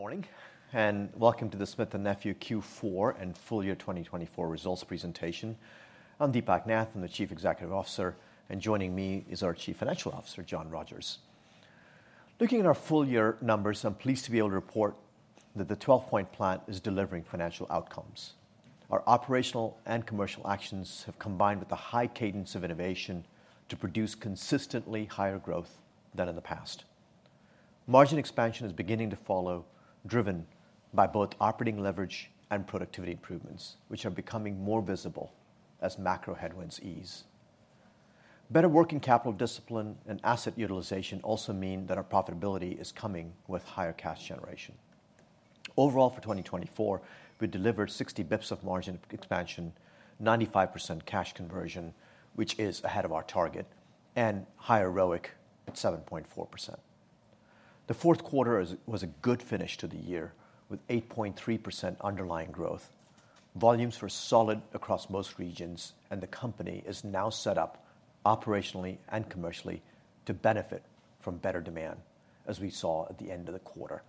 Good morning and welcome to the Smith & Nephew Q4 and full year 2024 results presentation. I'm Deepak Nath, I'm the Chief Executive Officer, and joining me is our Chief Financial Officer, John Rogers. Looking at our full year numbers, I'm pleased to be able to report that the 12-Point Plan is delivering financial outcomes. Our operational and commercial actions have combined with a high cadence of innovation to produce consistently higher growth than in the past. Margin expansion is beginning to follow, driven by both operating leverage and productivity improvements, which are becoming more visible as macro headwinds ease. Better working capital discipline and asset utilization also mean that our profitability is coming with higher cash generation. Overall, for 2024, we delivered 60 basis points of margin expansion, 95% cash conversion, which is ahead of our target, and higher ROIC at 7.4%. The fourth quarter was a good finish to the year with 8.3% underlying growth. Volumes were solid across most regions, and the company is now set up operationally and commercially to benefit from better demand, as we saw at the end of the quarter.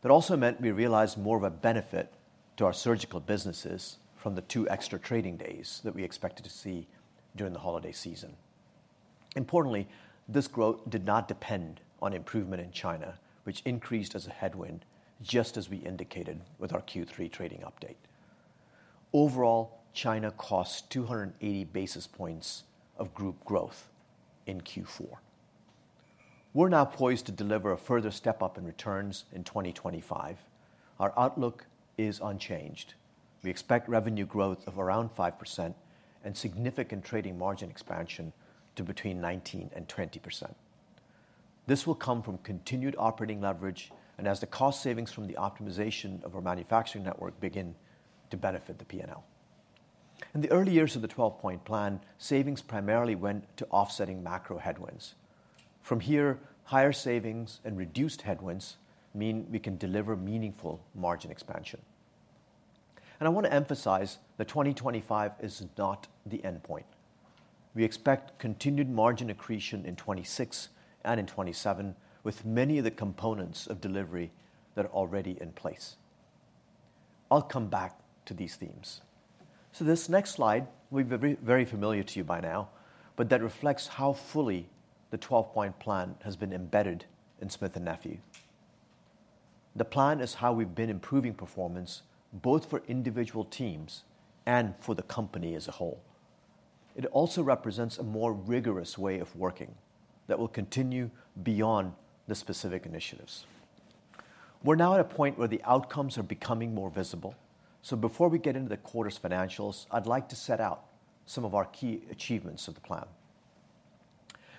That also meant we realized more of a benefit to our surgical businesses from the two extra trading days that we expected to see during the holiday season. Importantly, this growth did not depend on improvement in China, which increased as a headwind, just as we indicated with our Q3 trading update. Overall, China costs 280 basis points of group growth in Q4. We're now poised to deliver a further step up in returns in 2025. Our outlook is unchanged. We expect revenue growth of around 5% and significant trading margin expansion to between 19% and 20%. This will come from continued operating leverage and as the cost savings from the optimization of our manufacturing network begin to benefit the P&L. In the early years of the 12-Point Plan, savings primarily went to offsetting macro headwinds. From here, higher savings and reduced headwinds mean we can deliver meaningful margin expansion. And I want to emphasize that 2025 is not the end point. We expect continued margin accretion in 2026 and in 2027, with many of the components of delivery that are already in place. I'll come back to these themes. So this next slide will be very familiar to you by now, but that reflects how fully the 12-Point Plan has been embedded in Smith & Nephew. The plan is how we've been improving performance, both for individual teams and for the company as a whole. It also represents a more rigorous way of working that will continue beyond the specific initiatives. We're now at a point where the outcomes are becoming more visible. So before we get into the quarter's financials, I'd like to set out some of our key achievements of the plan.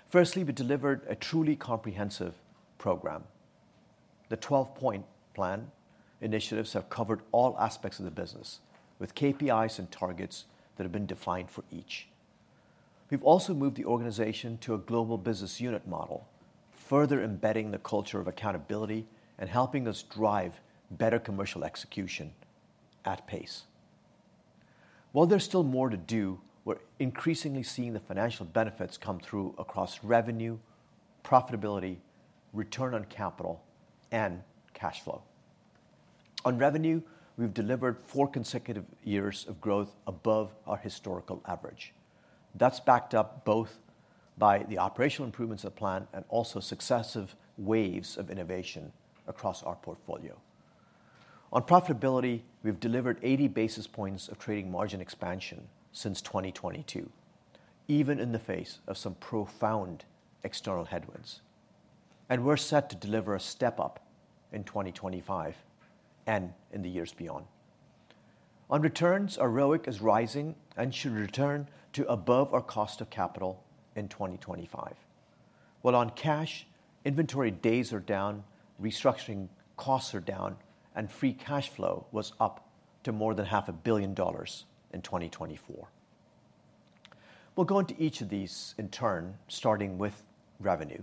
Firstly, we delivered a truly comprehensive program. The 12-Point Plan initiatives have covered all aspects of the business, with KPIs and targets that have been defined for each. We've also moved the organization to a global business unit model, further embedding the culture of accountability and helping us drive better commercial execution at pace. While there's still more to do, we're increasingly seeing the financial benefits come through across revenue, profitability, return on capital, and cash flow. On revenue, we've delivered four consecutive years of growth above our historical average. That's backed up both by the operational improvements of the plan and also successive waves of innovation across our portfolio. On profitability, we've delivered 80 basis points of trading margin expansion since 2022, even in the face of some profound external headwinds, and we're set to deliver a step up in 2025 and in the years beyond. On returns, our ROIC is rising and should return to above our cost of capital in 2025. While on cash, inventory days are down, restructuring costs are down, and free cash flow was up to more than $500 million in 2024. We'll go into each of these in turn, starting with revenue.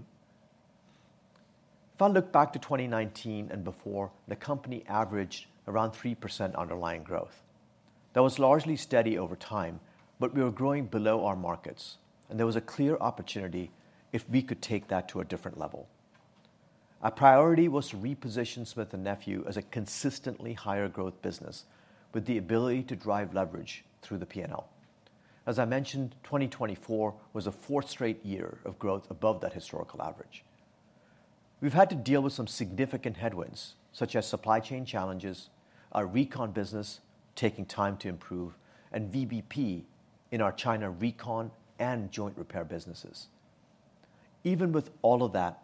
If I look back to 2019 and before, the company averaged around 3% underlying growth. That was largely steady over time, but we were growing below our markets, and there was a clear opportunity if we could take that to a different level. Our priority was to reposition Smith & Nephew as a consistently higher growth business with the ability to drive leverage through the P&L. As I mentioned, 2024 was a fourth straight year of growth above that historical average. We've had to deal with some significant headwinds, such as supply chain challenges, our recon business taking time to improve, and VBP in our China recon and joint repair businesses. Even with all of that,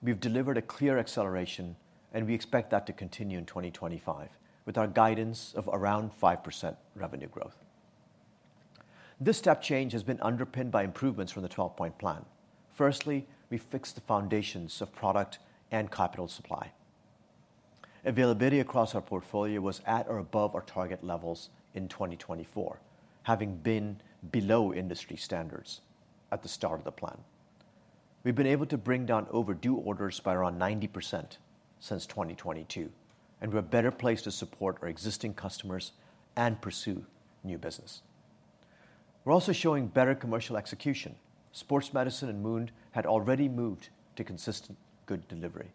we've delivered a clear acceleration, and we expect that to continue in 2025 with our guidance of around 5% revenue growth. This step change has been underpinned by improvements from the 12-Point Plan. Firstly, we fixed the foundations of product and capital supply. Availability across our portfolio was at or above our target levels in 2024, having been below industry standards at the start of the plan. We've been able to bring down overdue orders by around 90% since 2022, and we're better placed to support our existing customers and pursue new business. We're also showing better commercial execution. Sports Medicine and AWM had already moved to consistent good delivery.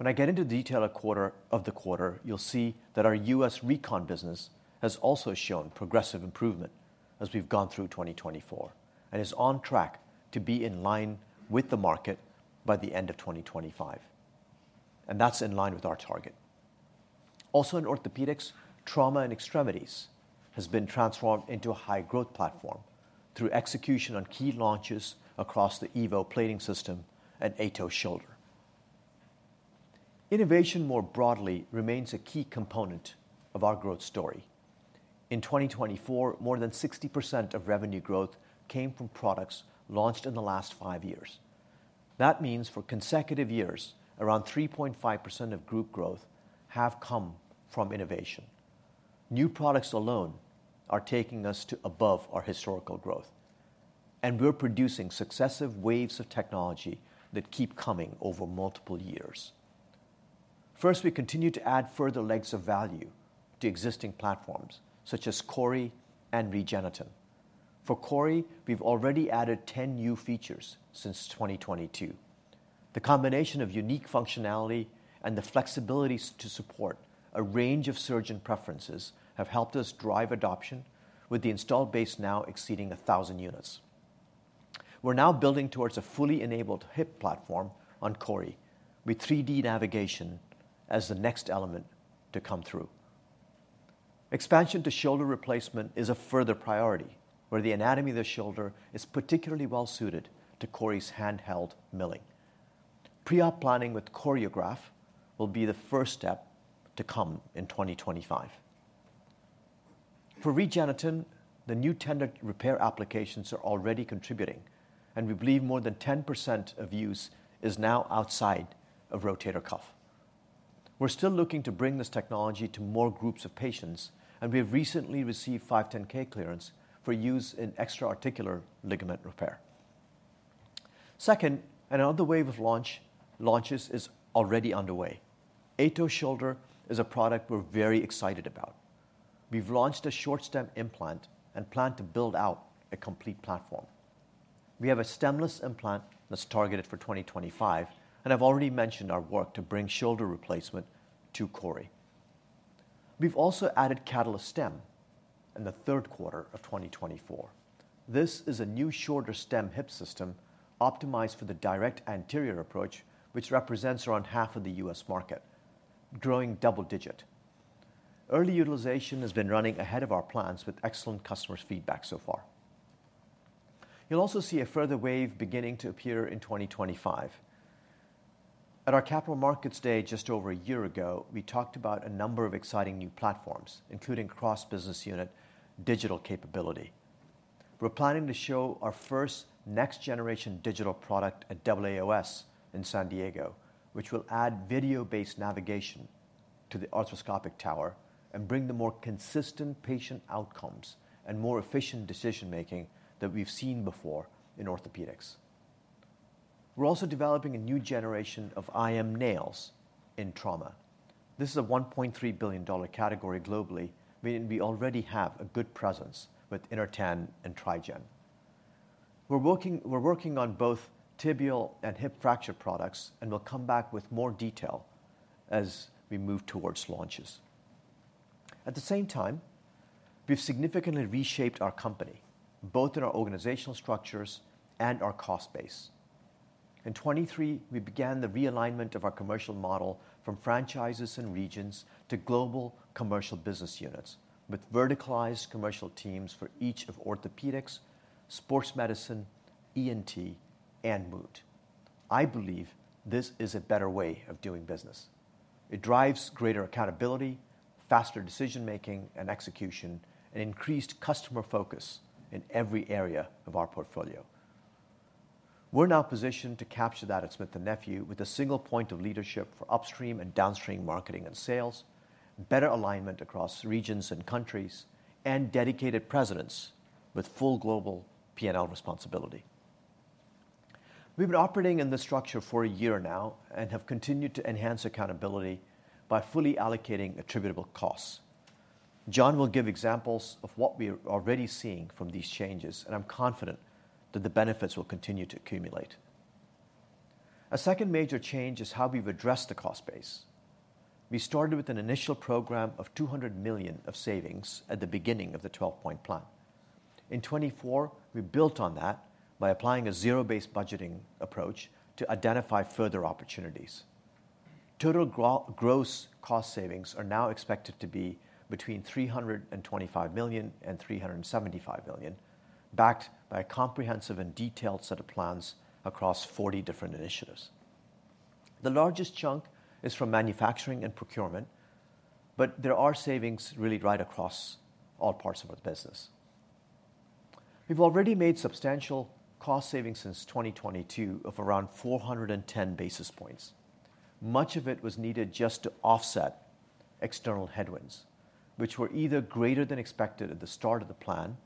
When I get into detail quarter by quarter, you'll see that our U.S. Recon business has also shown progressive improvement as we've gone through 2024 and is on track to be in line with the market by the end of 2025. That's in line with our target. In orthopedics, trauma and extremities has been transformed into a high-growth platform through execution on key launches across the EVOS plating system and AETOS shoulder. Innovation more broadly remains a key component of our growth story. In 2024, more than 60% of revenue growth came from products launched in the last five years. That means for consecutive years, around 3.5% of group growth have come from innovation. New products alone are taking us to above our historical growth, and we're producing successive waves of technology that keep coming over multiple years. First, we continue to add further legs of value to existing platforms, such as CORI and REGENETEN. For CORI, we've already added 10 new features since 2022. The combination of unique functionality and the flexibility to support a range of surgeon preferences have helped us drive adoption, with the installed base now exceeding 1,000 units. We're now building towards a fully enabled hip platform on CORI, with 3D navigation as the next element to come through. Expansion to shoulder replacement is a further priority, where the anatomy of the shoulder is particularly well-suited to CORI's handheld milling. Pre-op planning with CORIOGRAPH will be the first step to come in 2025. For REGENETEN, the new tendon repair applications are already contributing, and we believe more than 10% of use is now outside of rotator cuff. We're still looking to bring this technology to more groups of patients, and we have recently received 510(k) clearance for use in extra-articular ligament repair. Second, another wave of launches is already underway. AETOS shoulder is a product we're very excited about. We've launched a short stem implant and plan to build out a complete platform. We have a stemless implant that's targeted for 2025, and I've already mentioned our work to bring shoulder replacement to CORI. We've also added CATALYSTEM in the third quarter of 2024. This is a new CATALYST optimized for the direct anterior approach, which represents around half of the U.S. market, growing double-digit. Early utilization has been running ahead of our plans with excellent customer feedback so far. You'll also see a further wave beginning to appear in 2025. At our capital markets day just over a year ago, we talked about a number of exciting new platforms, including cross-business unit digital capability. We're planning to show our first next-generation digital product at AAOS in San Diego, which will add video-based navigation to the arthroscopic tower and bring the more consistent patient outcomes and more efficient decision-making that we've seen before in orthopedics. We're also developing a new generation of IM nails in trauma. This is a $1.3 billion category globally, meaning we already have a good presence with INTERTAN and TRIGEN. We're working on both tibial and hip fracture products, and we'll come back with more detail as we move towards launches. At the same time, we've significantly reshaped our company, both in our organizational structures and our cost base. In 2023, we began the realignment of our commercial model from franchises and regions to global commercial business units, with verticalized commercial teams for each of orthopedics, sports medicine, ENT, and AWM. I believe this is a better way of doing business. It drives greater accountability, faster decision-making and execution, and increased customer focus in every area of our portfolio. We're now positioned to capture that at Smith & Nephew with a single point of leadership for upstream and downstream marketing and sales, better alignment across regions and countries, and dedicated presence with full global P&L responsibility. We've been operating in this structure for a year now and have continued to enhance accountability by fully allocating attributable costs. John will give examples of what we are already seeing from these changes, and I'm confident that the benefits will continue to accumulate. A second major change is how we've addressed the cost base. We started with an initial program of $200 million of savings at the beginning of the 12-Point Plan. In 2024, we built on that by applying a zero-based budgeting approach to identify further opportunities. Total gross cost savings are now expected to be between $325 million and $375 million, backed by a comprehensive and detailed set of plans across 40 different initiatives. The largest chunk is from manufacturing and procurement, but there are savings really right across all parts of our business. We've already made substantial cost savings since 2022 of around 410 basis points. Much of it was needed just to offset external headwinds, which were either greater than expected at the start of the plan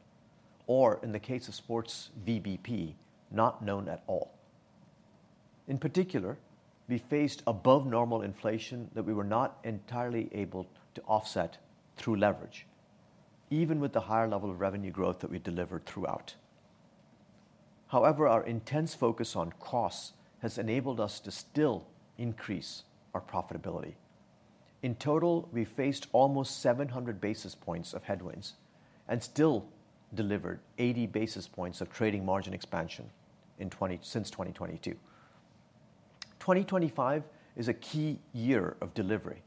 or, in the case of sports, VBP, not known at all. In particular, we faced above-normal inflation that we were not entirely able to offset through leverage, even with the higher level of revenue growth that we delivered throughout. However, our intense focus on costs has enabled us to still increase our profitability. In total, we faced almost 700 basis points of headwinds and still delivered 80 basis points of trading margin expansion since 2022. 2025 is a key year of delivery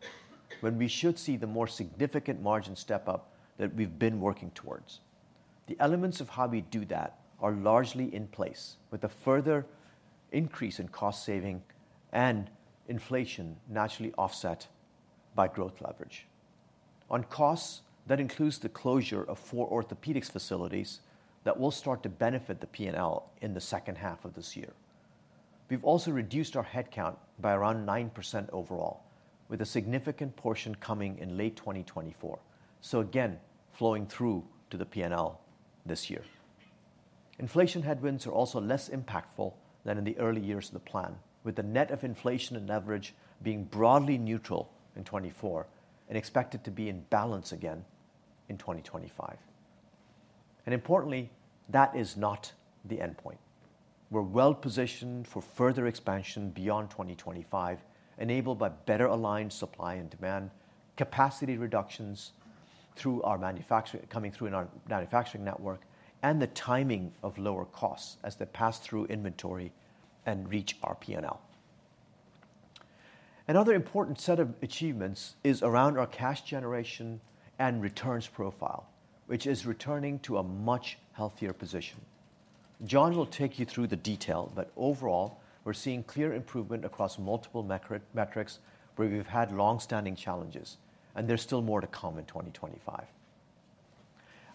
when we should see the more significant margin step up that we've been working towards. The elements of how we do that are largely in place with a further increase in cost saving and inflation naturally offset by growth leverage. On costs, that includes the closure of four Orthopaedics facilities that will start to benefit the P&L in the second half of this year. We've also reduced our headcount by around 9% overall, with a significant portion coming in late 2024. So again, flowing through to the P&L this year. Inflation headwinds are also less impactful than in the early years of the plan, with the net of inflation and leverage being broadly neutral in 2024 and expected to be in balance again in 2025. And importantly, that is not the endpoint. We're well positioned for further expansion beyond 2025, enabled by better-aligned supply and demand capacity reductions through our manufacturing coming through in our manufacturing network and the timing of lower costs as they pass through inventory and reach our P&L. Another important set of achievements is around our cash generation and returns profile, which is returning to a much healthier position. John will take you through the detail, but overall, we're seeing clear improvement across multiple metrics where we've had long-standing challenges, and there's still more to come in 2025.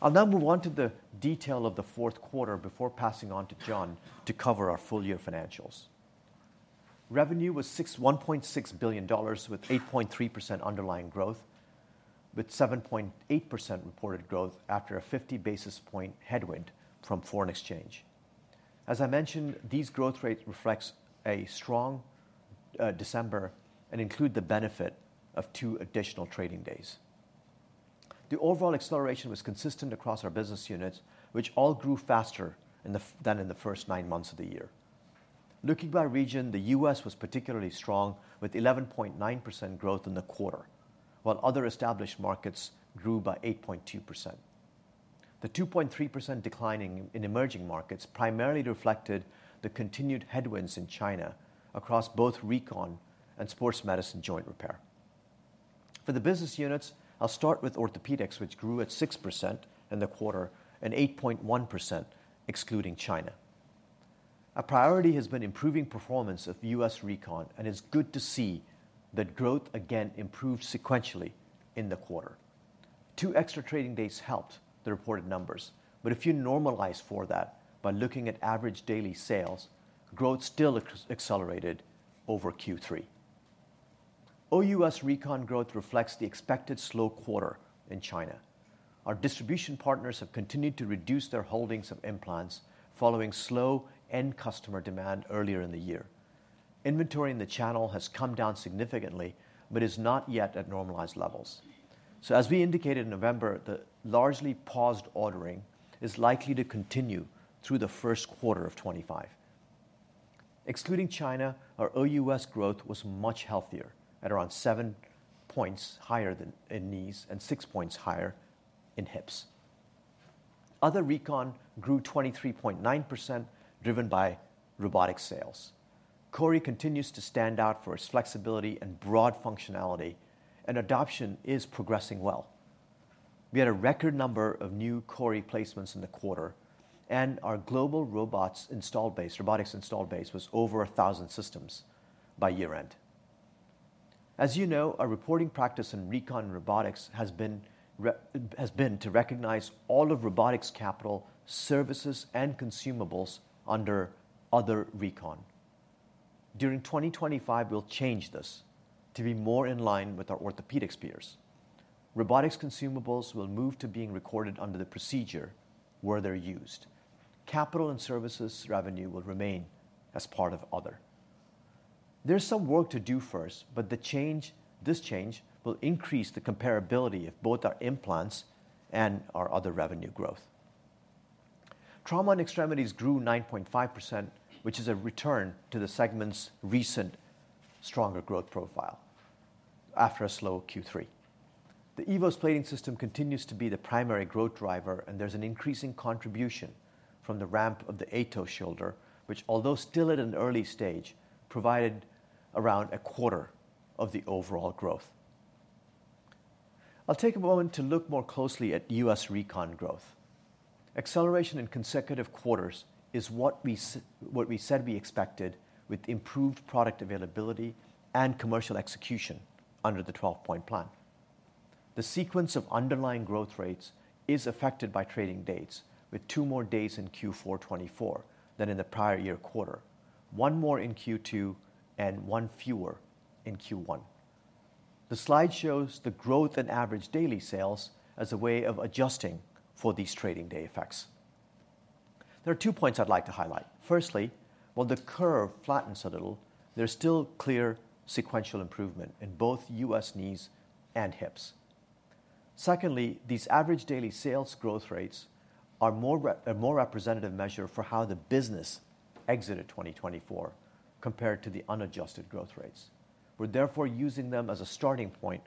I'll now move on to the detail of the fourth quarter before passing on to John to cover our full year financials. Revenue was $1.6 billion, with 8.3% underlying growth, with 7.8% reported growth after a 50 basis point headwind from foreign exchange. As I mentioned, these growth rates reflect a strong December and include the benefit of two additional trading days. The overall acceleration was consistent across our business units, which all grew faster than in the first nine months of the year. Looking by region, the U.S. was particularly strong, with 11.9% growth in the quarter, while other established markets grew by 8.2%. The 2.3% decline in emerging markets primarily reflected the continued headwinds in China across both recon and sports medicine joint repair. For the business units, I'll start with orthopedics, which grew at 6% in the quarter and 8.1% excluding China. A priority has been improving performance of U.S. recon and it's good to see that growth again improved sequentially in the quarter. Two extra trading days helped the reported numbers, but if you normalize for that by looking at average daily sales, growth still accelerated over Q3. OUS recon growth reflects the expected slow quarter in China. Our distribution partners have continued to reduce their holdings of implants following slow end customer demand earlier in the year. Inventory in the channel has come down significantly, but is not yet at normalized levels. So as we indicated in November, the largely paused ordering is likely to continue through the first quarter of 2025. Excluding China, our OUS growth was much healthier at around seven points higher in knees and six points higher in hips. Other recon grew 23.9%, driven by robotic sales. CORI continues to stand out for its flexibility and broad functionality, and adoption is progressing well. We had a record number of new CORI placements in the quarter, and our global robots installed base, robotics installed base, was over 1,000 systems by year-end. As you know, our reporting practice in recon and robotics has been to recognize all of robotics capital, services, and consumables under other recon. During 2025, we'll change this to be more in line with our orthopedics peers. Robotics consumables will move to being recorded under the procedure where they're used. Capital and services revenue will remain as part of other. There's some work to do first, but this change will increase the comparability of both our implants and our other revenue growth. Trauma and extremities grew 9.5%, which is a return to the segment's recent stronger growth profile after a slow Q3. The EVOS plating system continues to be the primary growth driver, and there's an increasing contribution from the ramp of the AETOS shoulder, which, although still at an early stage, provided around a quarter of the overall growth. I'll take a moment to look more closely at U.S. recon growth. Acceleration in consecutive quarters is what we said we expected with improved product availability and commercial execution under the 12-Point Plan. The sequence of underlying growth rates is affected by trading dates, with two more days in Q4 2024 than in the prior year quarter, one more in Q2, and one fewer in Q1. The slide shows the growth and average daily sales as a way of adjusting for these trading day effects. There are two points I'd like to highlight. Firstly, while the curve flattens a little, there's still clear sequential improvement in both U.S. knees and hips. Secondly, these average daily sales growth rates are a more representative measure for how the business exited 2024 compared to the unadjusted growth rates. We're therefore using them as a starting point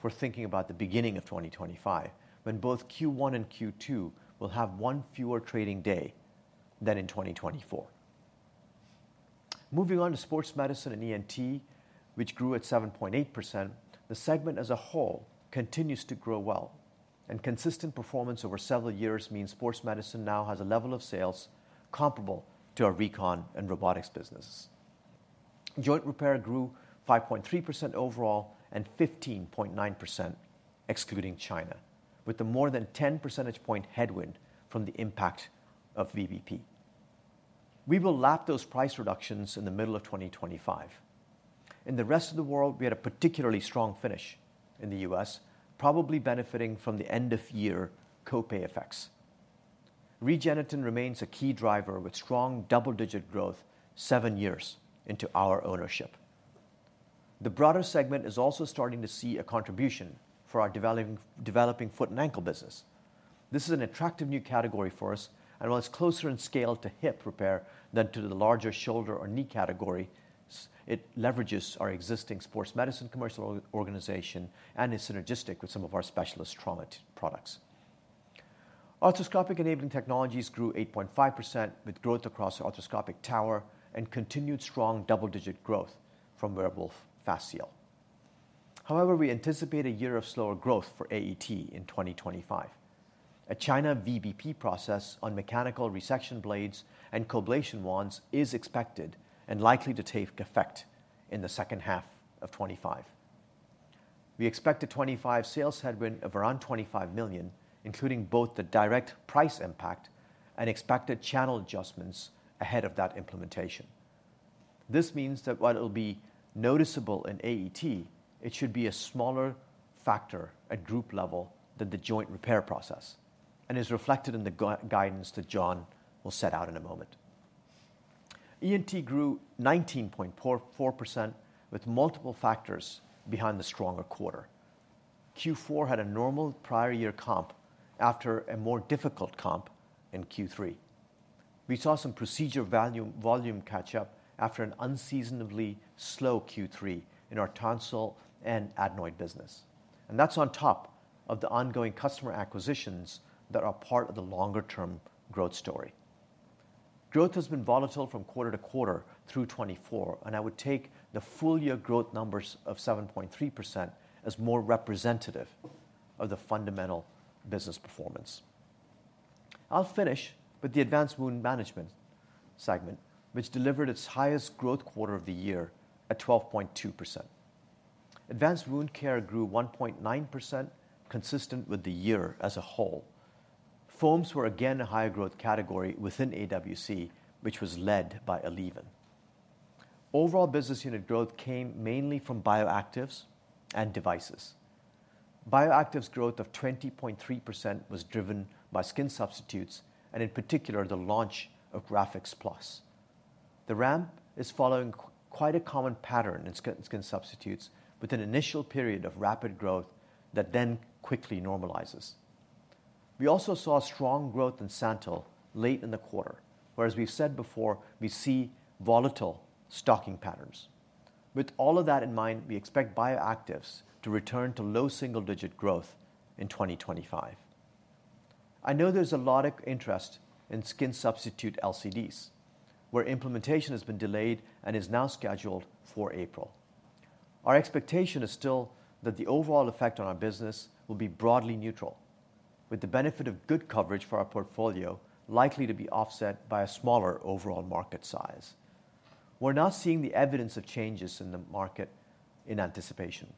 for thinking about the beginning of 2025, when both Q1 and Q2 will have one fewer trading day than in 2024. Moving on to Sports Medicine and ENT, which grew at 7.8%, the segment as a whole continues to grow well, and consistent performance over several years means Sports Medicine now has a level of sales comparable to our Recon and Robotics businesses. Joint Repair grew 5.3% overall and 15.9% excluding China, with a more than 10 percentage point headwind from the impact of VBP. We will lap those price reductions in the middle of 2025. In the rest of the world, we had a particularly strong finish in the U.S., probably benefiting from the end-of-year copay effects. REGENETEN remains a key driver with strong double-digit growth seven years into our ownership. The broader segment is also starting to see a contribution for our developing foot and ankle business. This is an attractive new category for us, and while it's closer in scale to hip repair than to the larger shoulder or knee category, it leverages our existing sports medicine commercial organization and is synergistic with some of our specialist trauma products. Arthroscopic enabling technologies grew 8.5% with growth across our arthroscopic tower and continued strong double-digit growth from WEREWOLF FASTSEAL. However, we anticipate a year of slower growth for AET in 2025. A China VBP process on mechanical resection blades and COBLATION wands is expected and likely to take effect in the second half of 2025. We expect a 2025 sales headwind of around $25 million, including both the direct price impact and expected channel adjustments ahead of that implementation. This means that while it'll be noticeable in AET, it should be a smaller factor at group level than the joint repair process and is reflected in the guidance that John will set out in a moment. ENT grew 19.4% with multiple factors behind the stronger quarter. Q4 had a normal prior year comp after a more difficult comp in Q3. We saw some procedure volume catch-up after an unseasonably slow Q3 in our tonsil and adenoid business, and that's on top of the ongoing customer acquisitions that are part of the longer-term growth story. Growth has been volatile from quarter to quarter through 2024, and I would take the full year growth numbers of 7.3% as more representative of the fundamental business performance. I'll finish with the Advanced Wound Management segment, which delivered its highest growth quarter of the year at 12.2%. Advanced Wound Care grew 1.9%, consistent with the year as a whole. Foams were again a higher growth category within AWC, which was led by ALLEVYN. Overall business unit growth came mainly from Bioactives and devices. Bioactives' growth of 20.3% was driven by skin substitutes and, in particular, the launch of GRAFIX PLUS. The ramp is following quite a common pattern in skin substitutes with an initial period of rapid growth that then quickly normalizes. We also saw strong growth in SANTYL late in the quarter, whereas we've said before, we see volatile stocking patterns. With all of that in mind, we expect Bioactives to return to low single-digit growth in 2025. I know there's a lot of interest in skin substitute LCDs, where implementation has been delayed and is now scheduled for April. Our expectation is still that the overall effect on our business will be broadly neutral, with the benefit of good coverage for our portfolio likely to be offset by a smaller overall market size. We're not seeing the evidence of changes in the market in anticipation.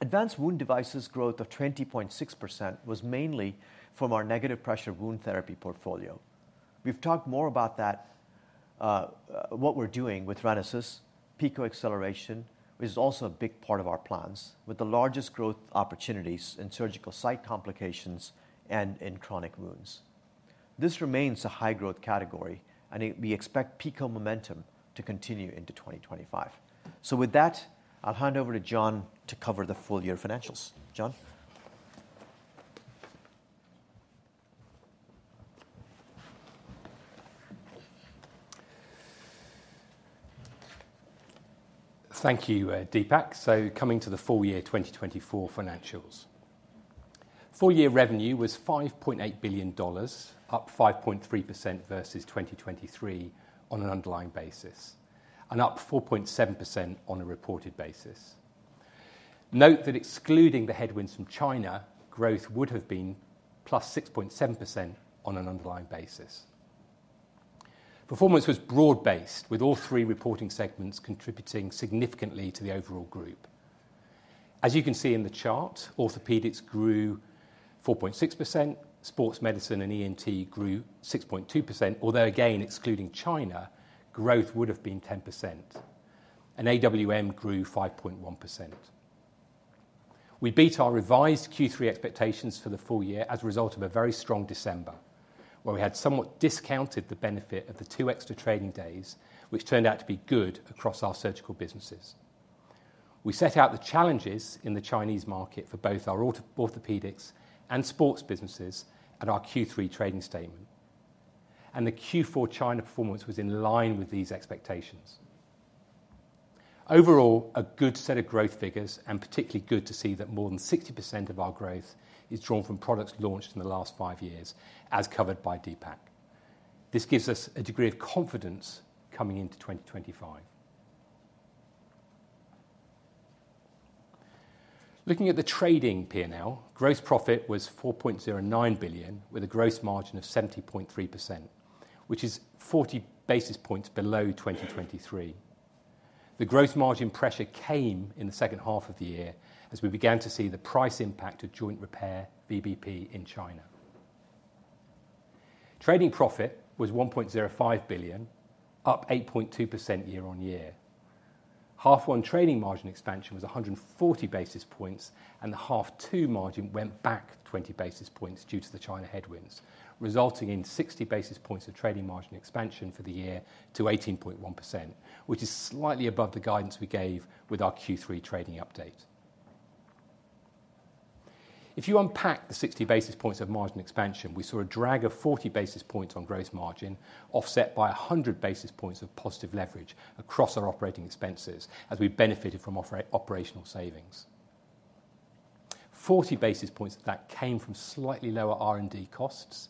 Advanced Wound Devices' growth of 20.6% was mainly from our negative pressure wound therapy portfolio. We've talked more about what we're doing with RENASYS PICO Acceleration, which is also a big part of our plans, with the largest growth opportunities in surgical site complications and in chronic wounds. This remains a high-growth category, and we expect PICO momentum to continue into 2025. So with that, I'll hand over to John to cover the full year financials. John? Thank you, Deepak. Coming to the full year 2024 financials, full year revenue was $5.8 billion, up 5.3% versus 2023 on an underlying basis and up 4.7% on a reported basis. Note that excluding the headwinds from China, growth would have been plus 6.7% on an underlying basis. Performance was broad-based, with all three reporting segments contributing significantly to the overall group. As you can see in the chart, orthopedics grew 4.6%, sports medicine and ENT grew 6.2%, although again, excluding China, growth would have been 10%, and AWM grew 5.1%. We beat our revised Q3 expectations for the full year as a result of a very strong December, where we had somewhat discounted the benefit of the two extra trading days, which turned out to be good across our surgical businesses. We set out the challenges in the Chinese market for both our orthopedics and sports businesses at our Q3 trading statement, and the Q4 China performance was in line with these expectations. Overall, a good set of growth figures, and particularly good to see that more than 60% of our growth is drawn from products launched in the last five years, as covered by Deepak. This gives us a degree of confidence coming into 2025. Looking at the trading P&L, gross profit was $4.09 billion, with a gross margin of 70.3%, which is 40 basis points below 2023. The gross margin pressure came in the second half of the year as we began to see the price impact of joint repair VBP in China. Trading profit was $1.05 billion, up 8.2% year on year. Half-one trading margin expansion was 140 basis points, and the half-two margin went back 20 basis points due to the China headwinds, resulting in 60 basis points of trading margin expansion for the year to 18.1%, which is slightly above the guidance we gave with our Q3 trading update. If you unpack the 60 basis points of margin expansion, we saw a drag of 40 basis points on gross margin, offset by 100 basis points of positive leverage across our operating expenses as we benefited from operational savings. 40 basis points of that came from slightly lower R&D costs.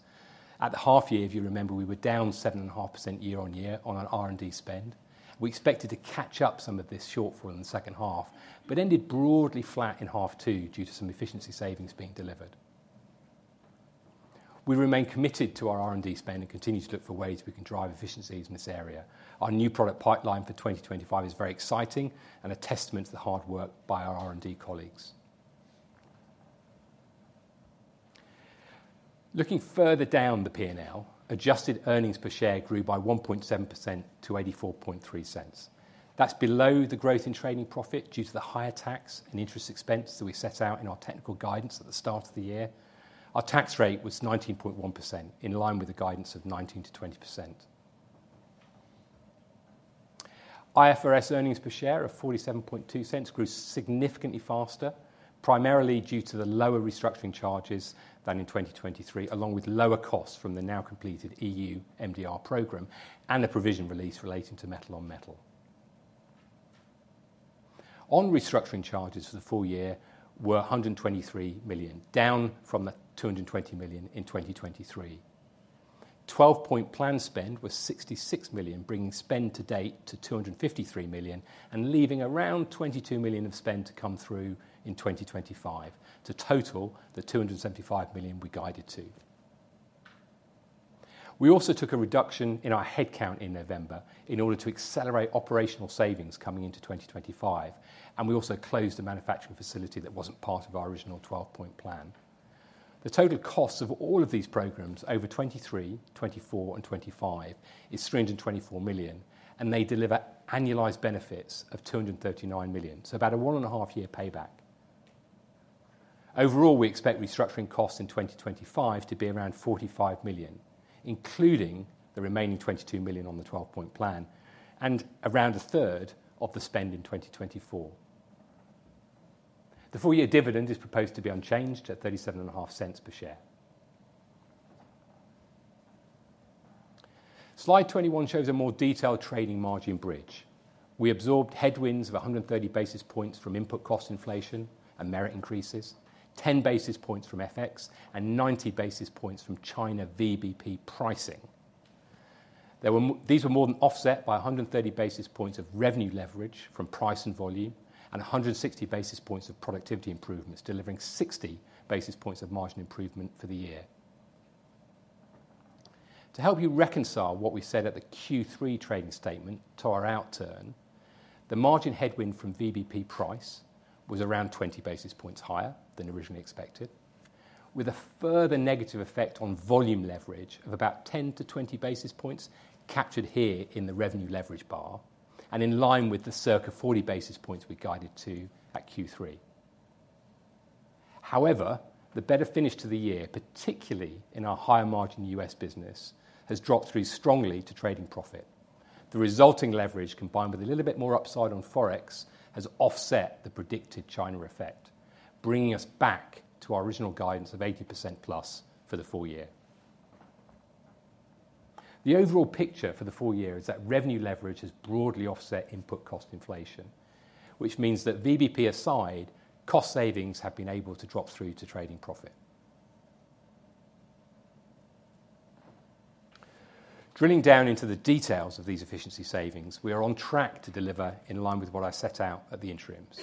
At the half year, if you remember, we were down 7.5% year on year on our R&D spend. We expected to catch up some of this shortfall in the second half, but ended broadly flat in half two due to some efficiency savings being delivered. We remain committed to our R&D spend and continue to look for ways we can drive efficiencies in this area. Our new product pipeline for 2025 is very exciting and a testament to the hard work by our R&D colleagues. Looking further down the P&L, adjusted earnings per share grew by 1.7% to $0.843. That's below the growth in trading profit due to the higher tax and interest expense that we set out in our technical guidance at the start of the year. Our tax rate was 19.1%, in line with the guidance of 19%-20%. IFRS earnings per share of $0.472 grew significantly faster, primarily due to the lower restructuring charges than in 2023, along with lower costs from the now completed EU MDR program and the provision release relating to metal on metal. Our restructuring charges for the full year were $123 million, down from the $220 million in 2023. 12-Point Plan spend was $66 million, bringing spend to date to $253 million and leaving around $22 million of spend to come through in 2025 to total the $275 million we guided to. We also took a reduction in our headcount in November in order to accelerate operational savings coming into 2025, and we also closed a manufacturing facility that wasn't part of our original 12-Point Plan. The total cost of all of these programs over 2023, 2024, and 2025 is $324 million, and they deliver annualized benefits of $239 million, so about a one-and-a-half-year payback. Overall, we expect restructuring costs in 2025 to be around $45 million, including the remaining $22 million on the 12-Point Plan and around a third of the spend in 2024. The full year dividend is proposed to be unchanged at $0.375 per share. Slide 21 shows a more detailed trading margin bridge. We absorbed headwinds of 130 basis points from input cost inflation and merit increases, 10 basis points from FX, and 90 basis points from China VBP pricing. These were more than offset by 130 basis points of revenue leverage from price and volume and 160 basis points of productivity improvements, delivering 60 basis points of margin improvement for the year. To help you reconcile what we said at the Q3 trading statement to our outturn, the margin headwind from VBP price was around 20 basis points higher than originally expected, with a further negative effect on volume leverage of about 10-20 basis points captured here in the revenue leverage bar and in line with the circa 40 basis points we guided to at Q3. However, the better finish to the year, particularly in our higher margin U.S. business, has dropped through strongly to trading profit. The resulting leverage, combined with a little bit more upside on Forex, has offset the predicted China effect, bringing us back to our original guidance of 80%+ for the full year. The overall picture for the full year is that revenue leverage has broadly offset input cost inflation, which means that VBP aside, cost savings have been able to drop through to trading profit. Drilling down into the details of these efficiency savings, we are on track to deliver in line with what I set out at the interims.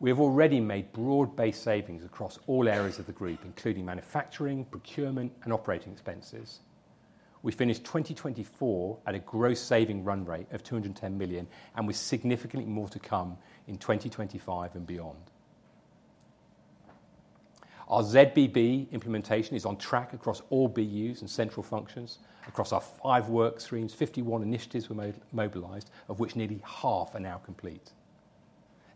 We have already made broad-based savings across all areas of the group, including manufacturing, procurement, and operating expenses. We finished 2024 at a gross savings run rate of $210 million, and with significantly more to come in 2025 and beyond. Our ZBB implementation is on track across all BUs and central functions. Across our five work streams, 51 initiatives were mobilized, of which nearly half are now complete.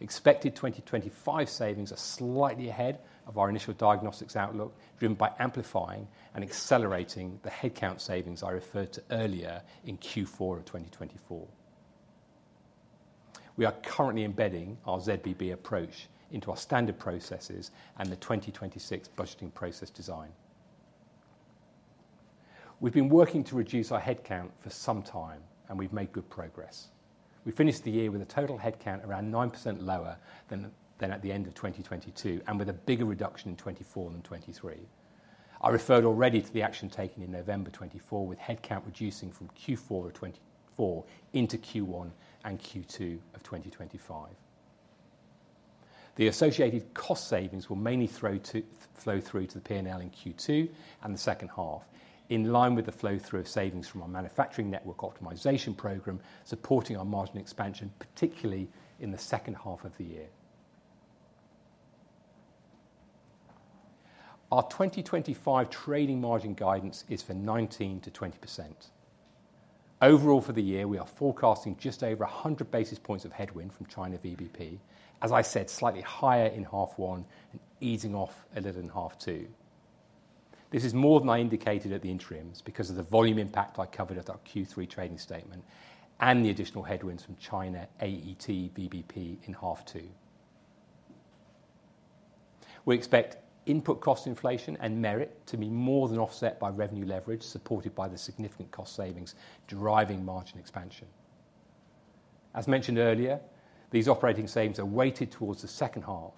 Expected 2025 savings are slightly ahead of our initial diagnostics outlook, driven by amplifying and accelerating the headcount savings I referred to earlier in Q4 of 2024. We are currently embedding our ZBB approach into our standard processes and the 2026 budgeting process design. We've been working to reduce our headcount for some time, and we've made good progress. We finished the year with a total headcount around 9% lower than at the end of 2022 and with a bigger reduction in 2024 than 2023. I referred already to the action taken in November 2024, with headcount reducing from Q4 of 2024 into Q1 and Q2 of 2025. The associated cost savings will mainly flow through to the P&L in Q2 and the second half, in line with the flow-through of savings from our manufacturing network optimization program supporting our margin expansion, particularly in the second half of the year. Our 2025 trading margin guidance is for 19%-20%. Overall, for the year, we are forecasting just over 100 basis points of headwind from China VBP, as I said, slightly higher in half one and easing off a little in half two. This is more than I indicated at the interims because of the volume impact I covered at our Q3 trading statement and the additional headwinds from China AET VBP in half two. We expect input cost inflation and merit to be more than offset by revenue leverage supported by the significant cost savings driving margin expansion. As mentioned earlier, these operating savings are weighted towards the second half.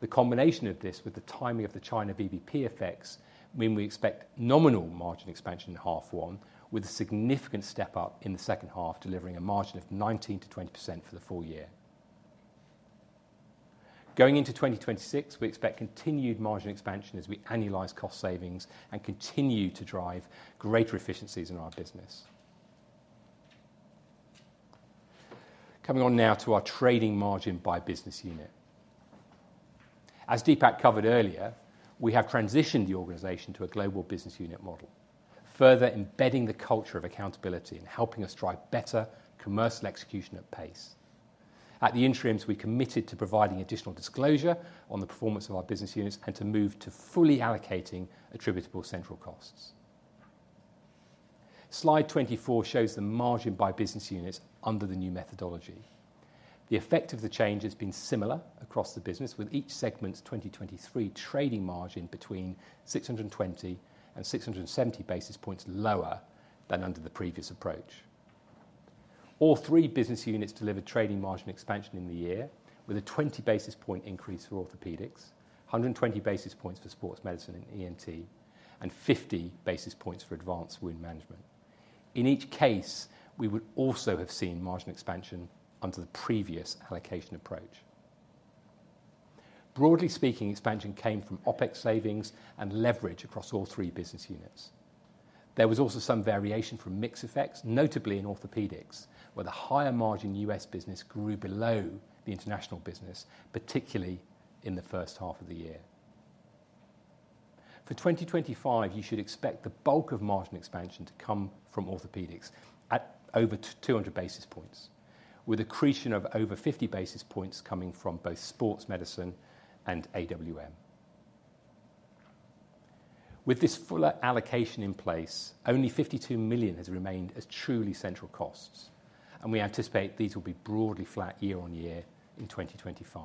The combination of this with the timing of the China VBP effects means we expect nominal margin expansion in half one, with a significant step up in the second half delivering a margin of 19%-20% for the full year. Going into 2026, we expect continued margin expansion as we annualize cost savings and continue to drive greater efficiencies in our business. Coming on now to our trading margin by business unit. As Deepak covered earlier, we have transitioned the organization to a global business unit model, further embedding the culture of accountability and helping us drive better commercial execution at pace. At the interims, we committed to providing additional disclosure on the performance of our business units and to move to fully allocating attributable central costs. Slide 24 shows the margin by business units under the new methodology. The effect of the change has been similar across the business, with each segment's 2023 trading margin between 620 and 670 basis points lower than under the previous approach. All three business units delivered trading margin expansion in the year, with a 20 basis point increase for Orthopaedics, 120 basis points for Sports Medicine and ENT, and 50 basis points for Advanced Wound Management. In each case, we would also have seen margin expansion under the previous allocation approach. Broadly speaking, expansion came from OpEx savings and leverage across all three business units. There was also some variation from mixed effects, notably in orthopedics, where the higher margin U.S. business grew below the international business, particularly in the first half of the year. For 2025, you should expect the bulk of margin expansion to come from orthopedics at over 200 basis points, with accretion of over 50 basis points coming from both sports medicine and AWM. With this fuller allocation in place, only $52 million has remained as truly central costs, and we anticipate these will be broadly flat year on year in 2025.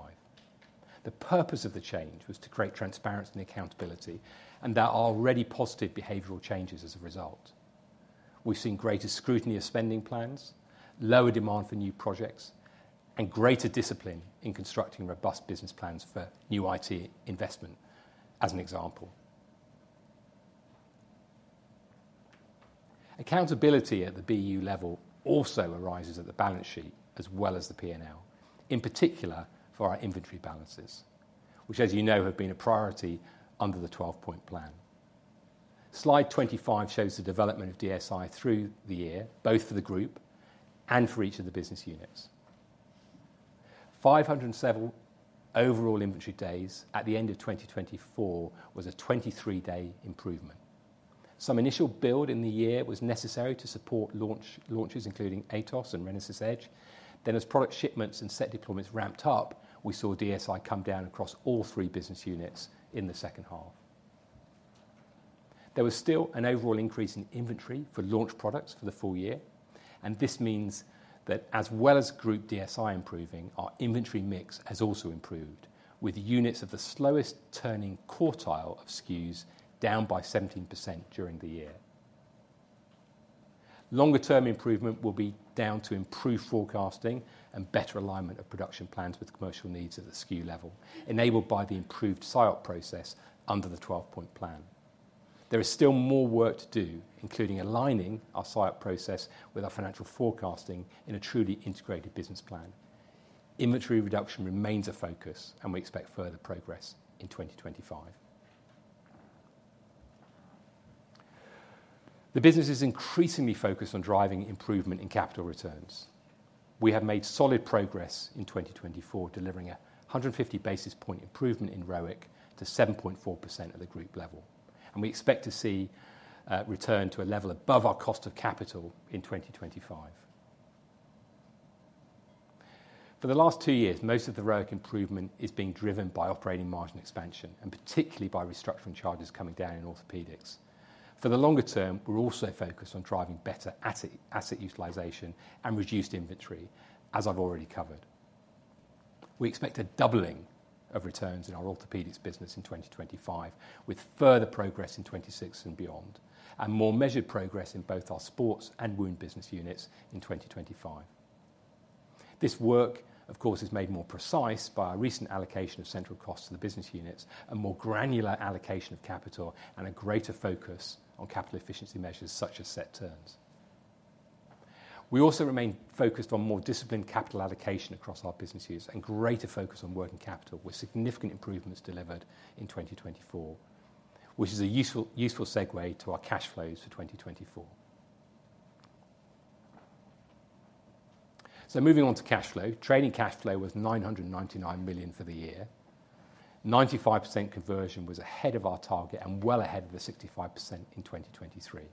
The purpose of the change was to create transparency and accountability and our already positive behavioral changes as a result. We've seen greater scrutiny of spending plans, lower demand for new projects, and greater discipline in constructing robust business plans for new IT investment, as an example. Accountability at the BU level also arises at the balance sheet as well as the P&L, in particular for our inventory balances, which, as you know, have been a priority under the 12-Point Plan. Slide 25 shows the development of DSI through the year, both for the group and for each of the business units. 507 overall inventory days at the end of 2024 was a 23-day improvement. Some initial build in the year was necessary to support launches, including AETOS and RENASYS EDGE. Then, as product shipments and set deployments ramped up, we saw DSI come down across all three business units in the second half. There was still an overall increase in inventory for launch products for the full year, and this means that, as well as group DSI improving, our inventory mix has also improved, with units of the slowest turning quartile of SKUs down by 17% during the year. Longer-term improvement will be down to improved forecasting and better alignment of production plans with commercial needs at the SKU level, enabled by the improved SIOP process under the 12-Point Plan. There is still more work to do, including aligning our SIOP process with our financial forecasting in a truly integrated business plan. Inventory reduction remains a focus, and we expect further progress in 2025. The business is increasingly focused on driving improvement in capital returns. We have made solid progress in 2024, delivering a 150 basis points improvement in ROIC to 7.4% at the group level, and we expect to see return to a level above our cost of capital in 2025. For the last two years, most of the ROIC improvement is being driven by operating margin expansion and particularly by restructuring charges coming down in orthopedics. For the longer term, we're also focused on driving better asset utilization and reduced inventory, as I've already covered. We expect a doubling of returns in our orthopedics business in 2025, with further progress in 2026 and beyond, and more measured progress in both our sports and wound business units in 2025. This work, of course, is made more precise by our recent allocation of central costs to the business units and more granular allocation of capital and a greater focus on capital efficiency measures such as asset turns. We also remain focused on more disciplined capital allocation across our business units and greater focus on working capital, with significant improvements delivered in 2024, which is a useful segue to our cash flows for 2024, so moving on to cash flow, trading cash flow was $999 million for the year. 95% conversion was ahead of our target and well ahead of the 65% in 2023.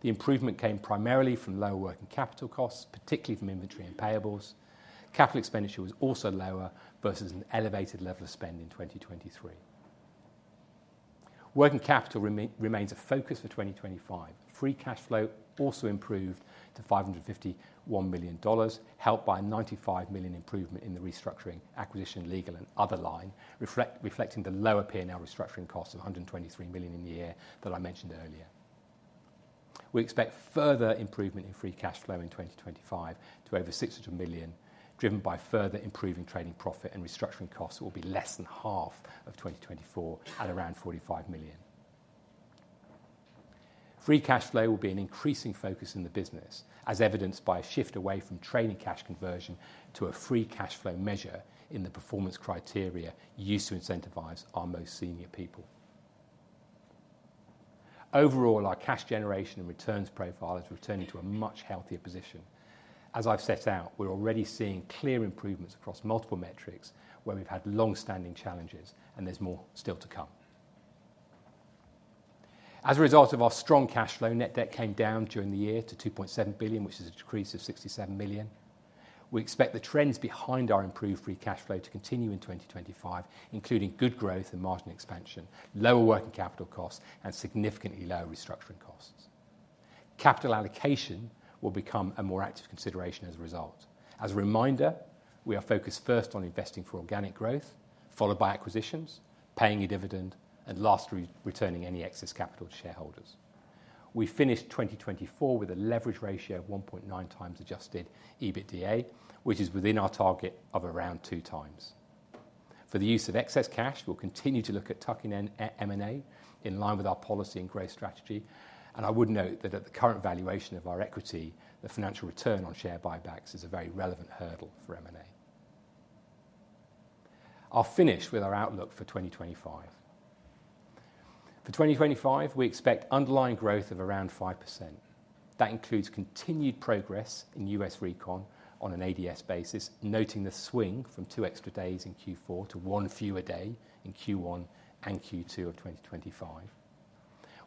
The improvement came primarily from lower working capital costs, particularly from inventory and payables. Capital expenditure was also lower versus an elevated level of spend in 2023. Working capital remains a focus for 2025. Free cash flow also improved to $551 million, helped by a $95 million improvement in the restructuring, acquisition, legal, and other line, reflecting the lower P&L restructuring cost of $123 million in the year that I mentioned earlier. We expect further improvement in free cash flow in 2025 to over $600 million, driven by further improving trading profit and restructuring costs that will be less than 1/2 of 2024 at around $45 million. Free cash flow will be an increasing focus in the business, as evidenced by a shift away from trading cash conversion to a free cash flow measure in the performance criteria used to incentivize our most senior people. Overall, our cash generation and returns profile is returning to a much healthier position. As I've set out, we're already seeing clear improvements across multiple metrics where we've had long-standing challenges, and there's more still to come. As a result of our strong cash flow, net debt came down during the year to $2.7 billion, which is a decrease of $67 million. We expect the trends behind our improved free cash flow to continue in 2025, including good growth and margin expansion, lower working capital costs, and significantly lower restructuring costs. Capital allocation will become a more active consideration as a result. As a reminder, we are focused first on investing for organic growth, followed by acquisitions, paying a dividend, and lastly, returning any excess capital to shareholders. We finished 2024 with a leverage ratio of 1.9x Adjusted EBITDA, which is within our target of around 2x. For the use of excess cash, we'll continue to look at tucking in M&A in line with our policy and growth strategy. I would note that at the current valuation of our equity, the financial return on share buybacks is a very relevant hurdle for M&A. I'll finish with our outlook for 2025. For 2025, we expect underlying growth of around 5%. That includes continued progress in U.S. Recon on an ADS basis, noting the swing from two extra days in Q4 to one fewer day in Q1 and Q2 of 2025.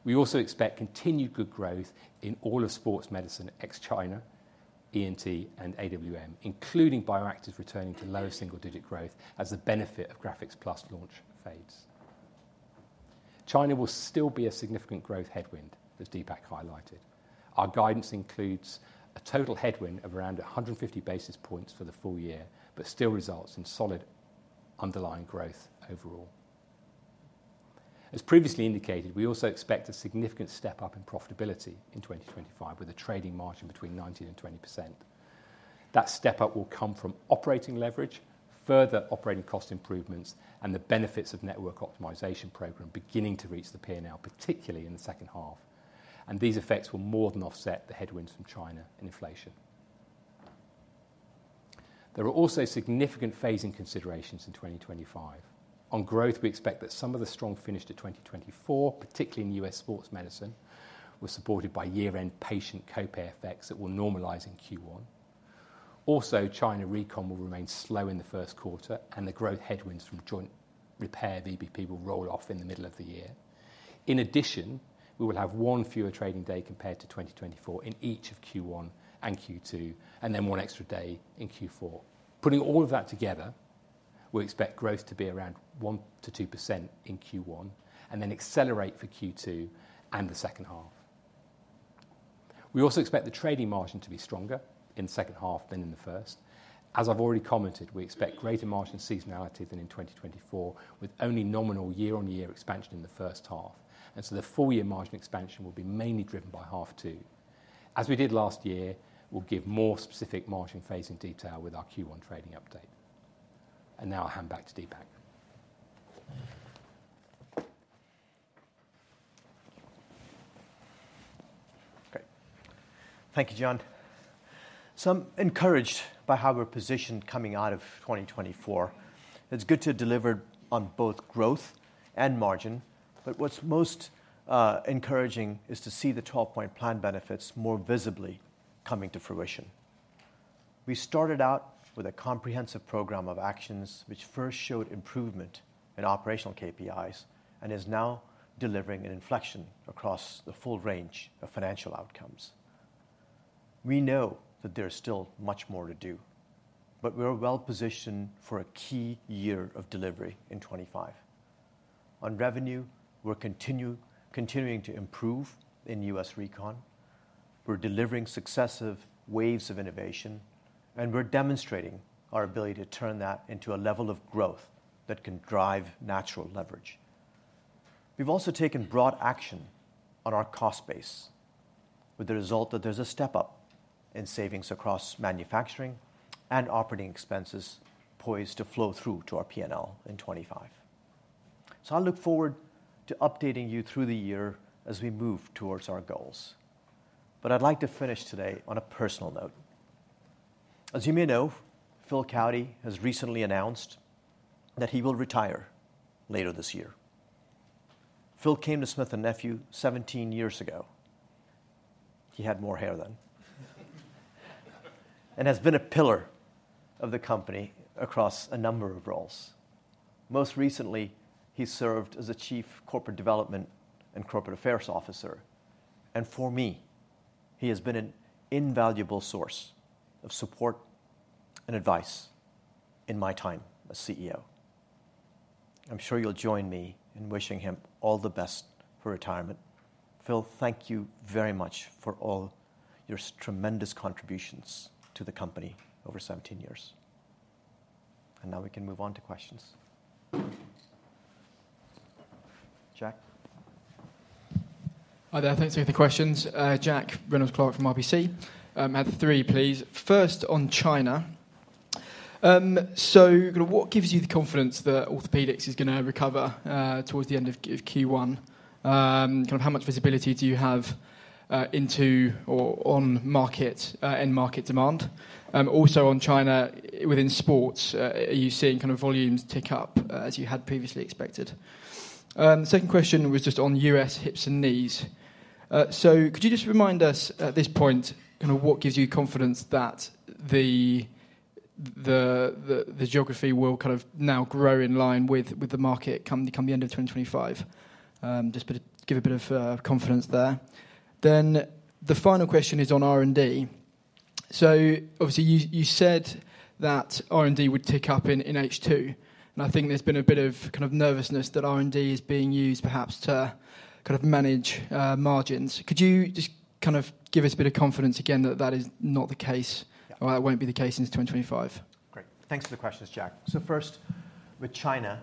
We also expect continued good growth in all of Sports Medicine ex-China, ENT, and AWM, including Bioactives returning to lower single-digit growth as the benefit of GRAFIX PLUS launch fades. China will still be a significant growth headwind, as Deepak highlighted. Our guidance includes a total headwind of around 150 basis points for the full year, but still results in solid underlying growth overall. As previously indicated, we also expect a significant step up in profitability in 2025 with a trading margin between 19% and 20%. That step up will come from operating leverage, further operating cost improvements, and the benefits of network optimization program beginning to reach the P&L, particularly in the second half, and these effects will more than offset the headwinds from China and inflation. There are also significant phasing considerations in 2025. On growth, we expect that some of the strong finish to 2024, particularly in U.S. Sports Medicine, was supported by year-end patient copay effects that will normalize in Q1. Also, China Recon will remain slow in the first quarter, and the growth headwinds from Joint Repair VBP will roll off in the middle of the year. In addition, we will have one fewer trading day compared to 2024 in each of Q1 and Q2, and then one extra day in Q4. Putting all of that together, we expect growth to be around 1%-2% in Q1 and then accelerate for Q2 and the second half. We also expect the trading margin to be stronger in the second half than in the first. As I've already commented, we expect greater margin seasonality than in 2024, with only nominal year-on-year expansion in the first half. And so the full-year margin expansion will be mainly driven by half two. As we did last year, we'll give more specific margin phasing detail with our Q1 trading update. And now I'll hand back to Deepak. Okay. Thank you, John. So I'm encouraged by how we're positioned coming out of 2024. It's good to deliver on both growth and margin, but what's most encouraging is to see the 12-Point Plan benefits more visibly coming to fruition. We started out with a comprehensive program of actions, which first showed improvement in operational KPIs and is now delivering an inflection across the full range of financial outcomes. We know that there is still much more to do, but we're well positioned for a key year of delivery in 2025. On revenue, we're continuing to improve in U.S. recon. We're delivering successive waves of innovation, and we're demonstrating our ability to turn that into a level of growth that can drive natural leverage. We've also taken broad action on our cost base, with the result that there's a step up in savings across manufacturing and operating expenses poised to flow through to our P&L in 2025. So I look forward to updating you through the year as we move towards our goals. But I'd like to finish today on a personal note. As you may know, Phil Cowdy has recently announced that he will retire later this year. Phil came to Smith & Nephew 17 years ago. He had more hair then and has been a pillar of the company across a number of roles. Most recently, he served as Chief Corporate Development and Corporate Affairs Officer, and for me, he has been an invaluable source of support and advice in my time as CEO. I'm sure you'll join me in wishing him all the best for retirement. Phil, thank you very much for all your tremendous contributions to the company over 17 years and now we can move on to questions. Jack. Hi there. Thanks for the questions. Jack Reynolds-Clark from RBC. I have three, please. First on China. So what gives you the confidence that orthopedics is going to recover towards the end of Q1? Kind of how much visibility do you have into or on market, end market demand? Also on China, within sports, are you seeing kind of volumes tick up as you had previously expected? Second question was just on U.S. hips and knees. So could you just remind us at this point kind of what gives you confidence that the geography will kind of now grow in line with the market come the end of 2025? Just give a bit of confidence there. Then the final question is on R&D. So obviously, you said that R&D would tick up in H2. And I think there's been a bit of kind of nervousness that R&D is being used perhaps to kind of manage margins. Could you just kind of give us a bit of confidence again that that is not the case or that won't be the case in 2025? Great. Thanks for the questions, Jack. So first, with China,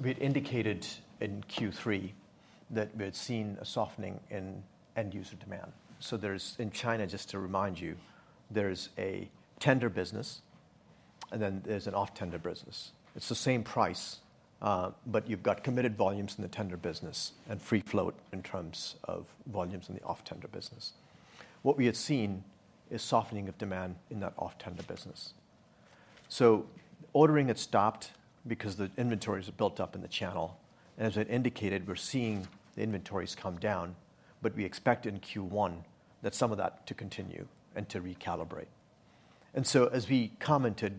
we had indicated in Q3 that we had seen a softening in end user demand. So there's in China, just to remind you, there's a tender business, and then there's an off-tender business. It's the same price, but you've got committed volumes in the tender business and free float in terms of volumes in the off-tender business. What we have seen is softening of demand in that off-tender business. So ordering had stopped because the inventories were built up in the channel. And as I indicated, we're seeing the inventories come down, but we expect in Q1 that some of that to continue and to recalibrate. And so as we commented,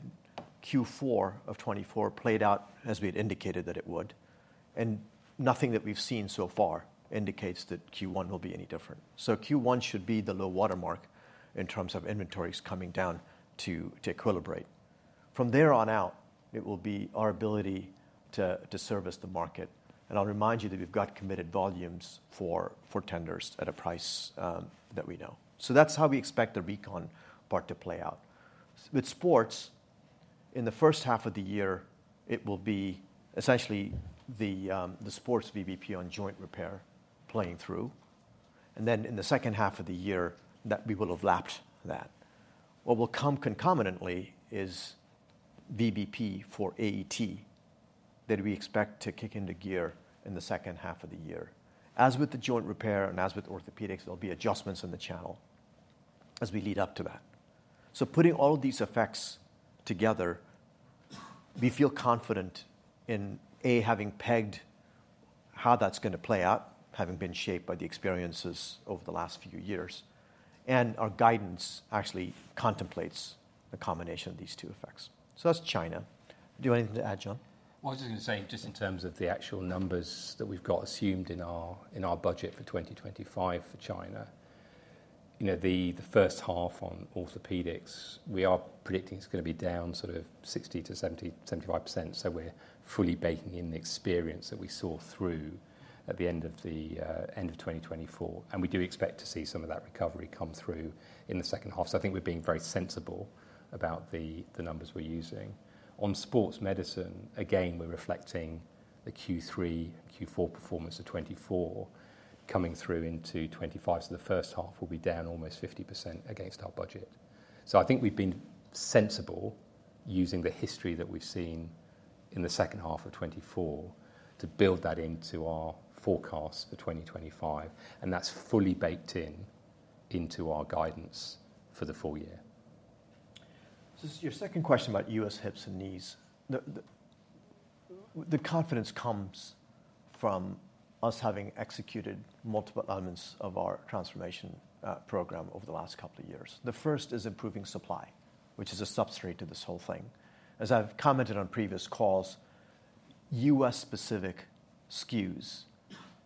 Q4 of 2024 played out as we had indicated that it would. And nothing that we've seen so far indicates that Q1 will be any different. So Q1 should be the low watermark in terms of inventories coming down to equilibrate. From there on out, it will be our ability to service the market. And I'll remind you that we've got committed volumes for tenders at a price that we know. So that's how we expect the recon part to play out. With sports, in the first half of the year, it will be essentially the sports VBP on joint repair playing through. And then in the second half of the year, we will have lapped that. What will come concomitantly is VBP for AET that we expect to kick into gear in the second half of the year. As with the Joint Repair and as with Orthopaedics, there'll be adjustments in the channel as we lead up to that. So putting all of these effects together, we feel confident in having pegged how that's going to play out, having been shaped by the experiences over the last few years. Our guidance actually contemplates the combination of these two effects. So that's China. Do you have anything to add, John? Well, I was just going to say just in terms of the actual numbers that we've got assumed in our budget for 2025 for China, the first half on Orthopaedics, we are predicting it's going to be down sort of 60%-75%. So we're fully baking in the experience that we saw through at the end of 2024. And we do expect to see some of that recovery come through in the second half. I think we're being very sensible about the numbers we're using. On sports medicine, again, we're reflecting the Q3 and Q4 performance of 2024 coming through into 2025. The first half will be down almost 50% against our budget. I think we've been sensible using the history that we've seen in the second half of 2024 to build that into our forecast for 2025. And that's fully baked into our guidance for the full year. Your second question about U.S. hips and knees, the confidence comes from us having executed multiple elements of our transformation program over the last couple of years. The first is improving supply, which is a substrate to this whole thing. As I've commented on previous calls, U.S.-specific SKUs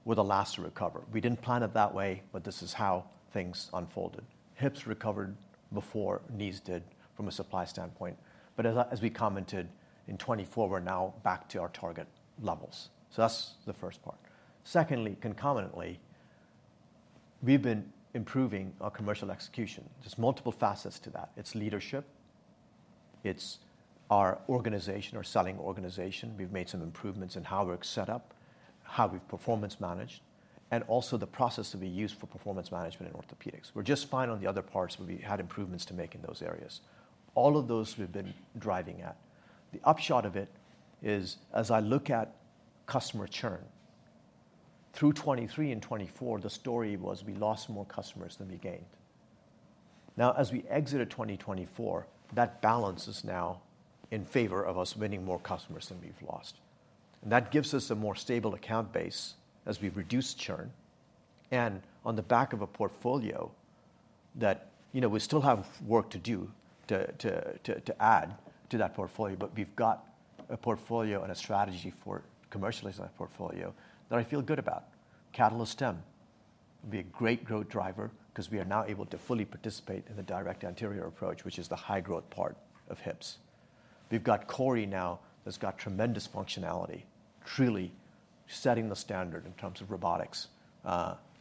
were the last to recover. We didn't plan it that way, but this is how things unfolded. Hips recovered before knees did from a supply standpoint. But as we commented, in 2024, we're now back to our target levels. So that's the first part. Secondly, concomitantly, we've been improving our commercial execution. There's multiple facets to that. It's leadership. It's our organization or selling organization. We've made some improvements in how we're set up, how we've performance managed, and also the process that we use for performance management in orthopedics. We're just fine on the other parts, but we had improvements to make in those areas. All of those we've been driving at. The upshot of it is, as I look at customer churn, through 2023 and 2024, the story was we lost more customers than we gained. Now, as we exited 2024, that balance is now in favor of us winning more customers than we've lost. And that gives us a more stable account base as we've reduced churn. And on the back of a portfolio that we still have work to do to add to that portfolio, but we've got a portfolio and a strategy for commercializing that portfolio that I feel good about. CATALYST Stem will be a great growth driver because we are now able to fully participate in the direct anterior approach, which is the high growth part of hips. We've got CORI now that's got tremendous functionality, truly setting the standard in terms of robotics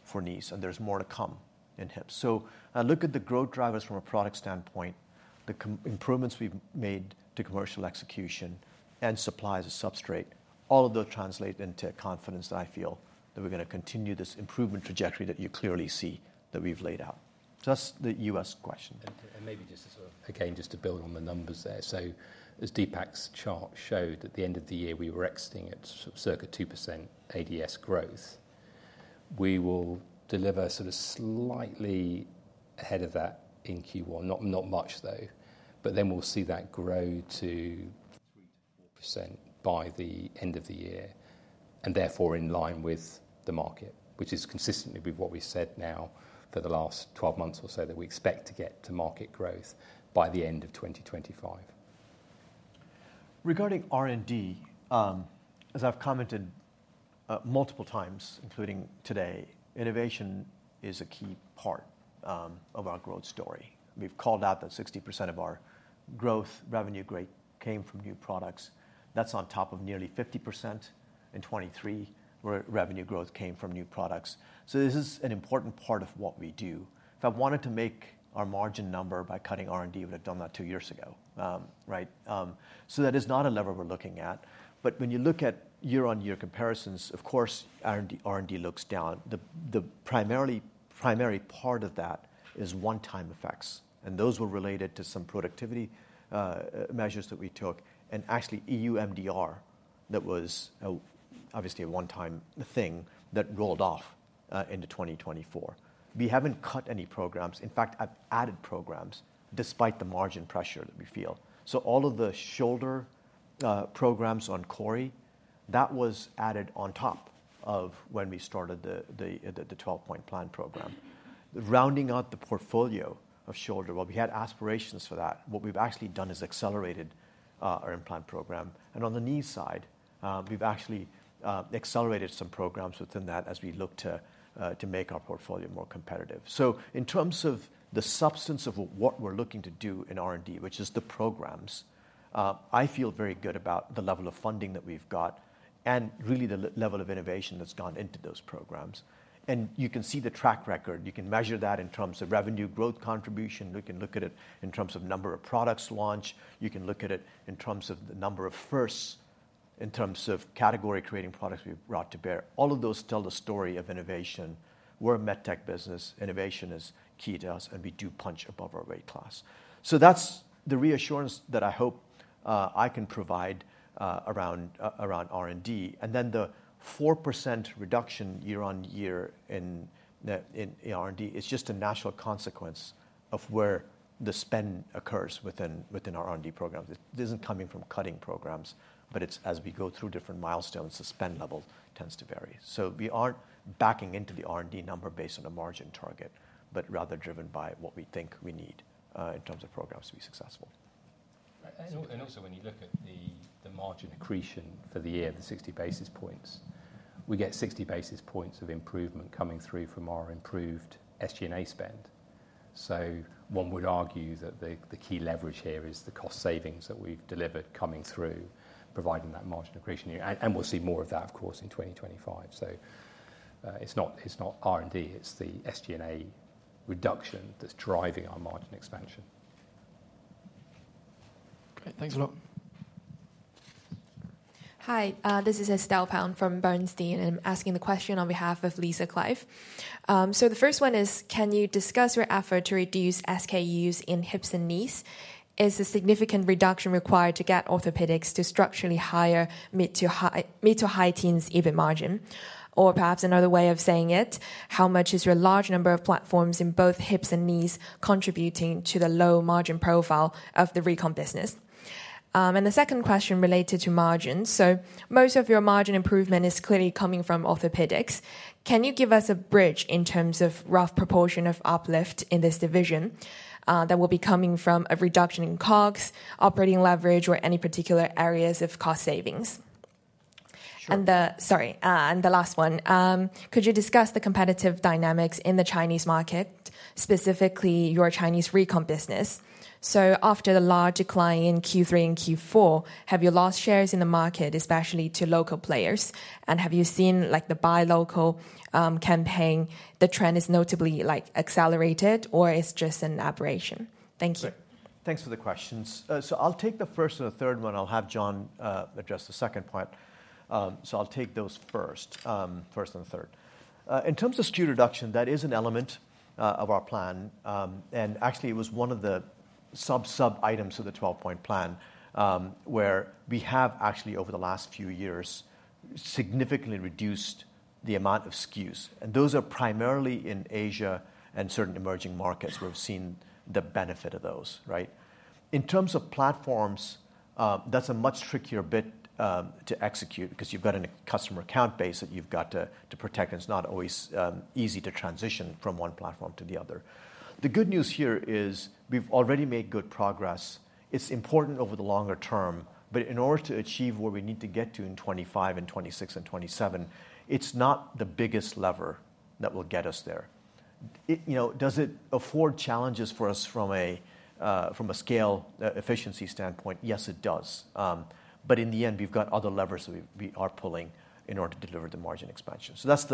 for knees. And there's more to come in hips. So I look at the growth drivers from a product standpoint, the improvements we've made to commercial execution and supply as a substrate. All of those translate into confidence that I feel that we're going to continue this improvement trajectory that you clearly see that we've laid out. So that's the U.S. question. And maybe just as well, again, just to build on the numbers there. So as Deepak's chart showed at the end of the year, we were exiting at circa 2% ADS growth. We will deliver sort of slightly ahead of that in Q1. Not much, though. But then we'll see that grow to 3%-4% by the end of the year. And therefore, in line with the market, which is consistently with what we've said now for the last 12 months or so that we expect to get to market growth by the end of 2025. Regarding R&D, as I've commented multiple times, including today, innovation is a key part of our growth story. We've called out that 60% of our growth revenue growth came from new products. That's on top of nearly 50% in 2023 where revenue growth came from new products. So this is an important part of what we do. If I wanted to make our margin number by cutting R&D, we would have done that two years ago. Right? So that is not a lever we're looking at. But when you look at year-on-year comparisons, of course, R&D looks down. The primary part of that is one-time effects. And those were related to some productivity measures that we took, and actually EU MDR that was obviously a one-time thing that rolled off into 2024. We haven't cut any programs. In fact, I've added programs despite the margin pressure that we feel. So all of the shoulder programs on CORI, that was added on top of when we started the 12-Point Plan program. Rounding out the portfolio of shoulder, while we had aspirations for that, what we've actually done is accelerated our implant program. And on the knee side, we've actually accelerated some programs within that as we look to make our portfolio more competitive. So in terms of the substance of what we're looking to do in R&D, which is the programs, I feel very good about the level of funding that we've got and really the level of innovation that's gone into those programs. And you can see the track record. You can measure that in terms of revenue growth contribution. You can look at it in terms of number of products launched. You can look at it in terms of the number of firsts in terms of category-creating products we've brought to bear. All of those tell the story of innovation. We're a medtech business. Innovation is key to us, and we do punch above our weight class. So that's the reassurance that I hope I can provide around R&D. And then the 4% reduction year-on-year in R&D is just a natural consequence of where the spend occurs within our R&D programs. It isn't coming from cutting programs, but it's as we go through different milestones, the spend level tends to vary. So we aren't backing into the R&D number based on a margin target, but rather driven by what we think we need in terms of programs to be successful. And also, when you look at the margin accretion for the year of the 60 basis points, we get 60 basis points of improvement coming through from our improved SG&A spend. So one would argue that the key leverage here is the cost savings that we've delivered coming through, providing that margin accretion. And we'll see more of that, of course, in 2025. So it's not R&D. It's the SG&A reduction that's driving our margin expansion. Great. Thanks a lot. Hi. This is Estelle Pang from Bernstein. And I'm asking the question on behalf of Lisa Clive. So the first one is, can you discuss your effort to reduce SKUs in hips and knees? Is a significant reduction required to get orthopedics to structurally higher mid to high teens EBIT margin? Or perhaps another way of saying it, how much is your large number of platforms in both hips and knees contributing to the low margin profile of the Recon business? And the second question related to margins. So most of your margin improvement is clearly coming from orthopedics. Can you give us a bridge in terms of rough proportion of uplift in this division that will be coming from a reduction in COGS, operating leverage, or any particular areas of cost savings? And the last one, could you discuss the competitive dynamics in the Chinese market, specifically your Chinese Recon business? So after the large decline in Q3 and Q4, have you lost shares in the market, especially to local players? And have you seen the buy local campaign? Has the trend notably accelerated, or is it just an aberration? Thank you. Thanks for the questions. I'll take the first and the third one. I'll have John address the second point. I'll take those first, first and third. In terms of SKU reduction, that is an element of our plan. Actually, it was one of the sub-sub items of the 12-Point Plan where we have actually, over the last few years, significantly reduced the amount of SKUs. And those are primarily in Asia and certain emerging markets where we've seen the benefit of those. Right? In terms of platforms, that's a much trickier bit to execute because you've got a customer account base that you've got to protect. And it's not always easy to transition from one platform to the other. The good news here is we've already made good progress. It's important over the longer term. But in order to achieve where we need to get to in 2025 and 2026 and 2027, it's not the biggest lever that will get us there. Does it afford challenges for us from a scale efficiency standpoint? Yes, it does. But in the end, we've got other levers that we are pulling in order to deliver the margin expansion. So that's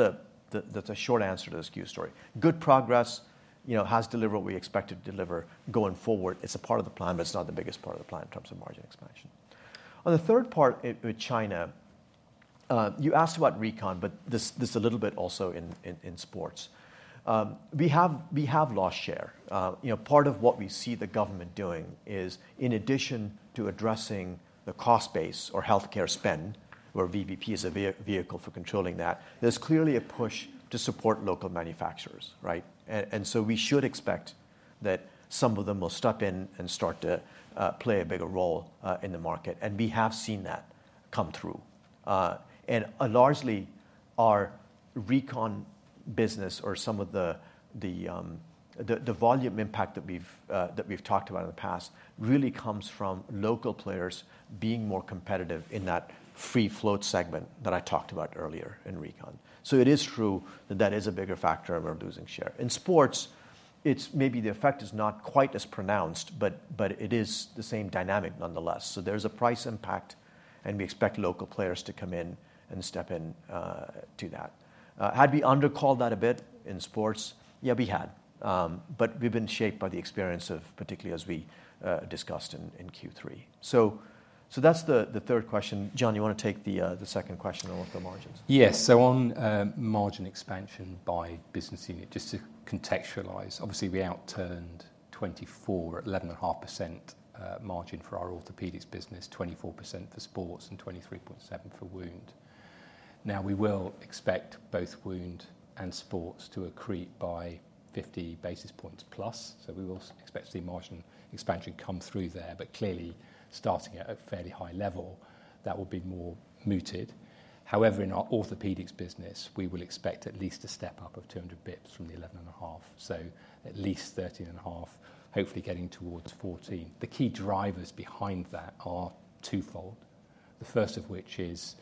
a short answer to the SKU story. Good progress has delivered what we expected to deliver going forward. It's a part of the plan, but it's not the biggest part of the plan in terms of margin expansion. On the third part with China, you asked about recon, but this is a little bit also in sports. We have lost share. Part of what we see the government doing is, in addition to addressing the cost base or healthcare spend, where VBP is a vehicle for controlling that, there's clearly a push to support local manufacturers. Right? And so we should expect that some of them will step in and start to play a bigger role in the market. And we have seen that come through. And largely, our recon business or some of the volume impact that we've talked about in the past really comes from local players being more competitive in that free float segment that I talked about earlier in recon. So it is true that that is a bigger factor of our losing share. In sports, maybe the effect is not quite as pronounced, but it is the same dynamic nonetheless. There's a price impact, and we expect local players to come in and step into that. Had we undercalled that a bit in sports? Yeah, we had. But we've been shaped by the experience, particularly as we discussed in Q3. That's the third question. John, you want to take the second question on the margins? Yes. So on margin expansion by business unit, just to contextualize, obviously, we outturned 2024 at 11.5% margin for our orthopedics business, 24% for sports, and 23.7% for wound. Now, we will expect both wound and sports to accrete by 50 basis points plus. So we will expect to see margin expansion come through there. But clearly, starting at a fairly high level, that will be more muted. However, in our orthopedics business, we will expect at least a step up of 200 basis points from the 11.5%. So at least 13.5%, hopefully getting towards 14%. The key drivers behind that are twofold, the first of which is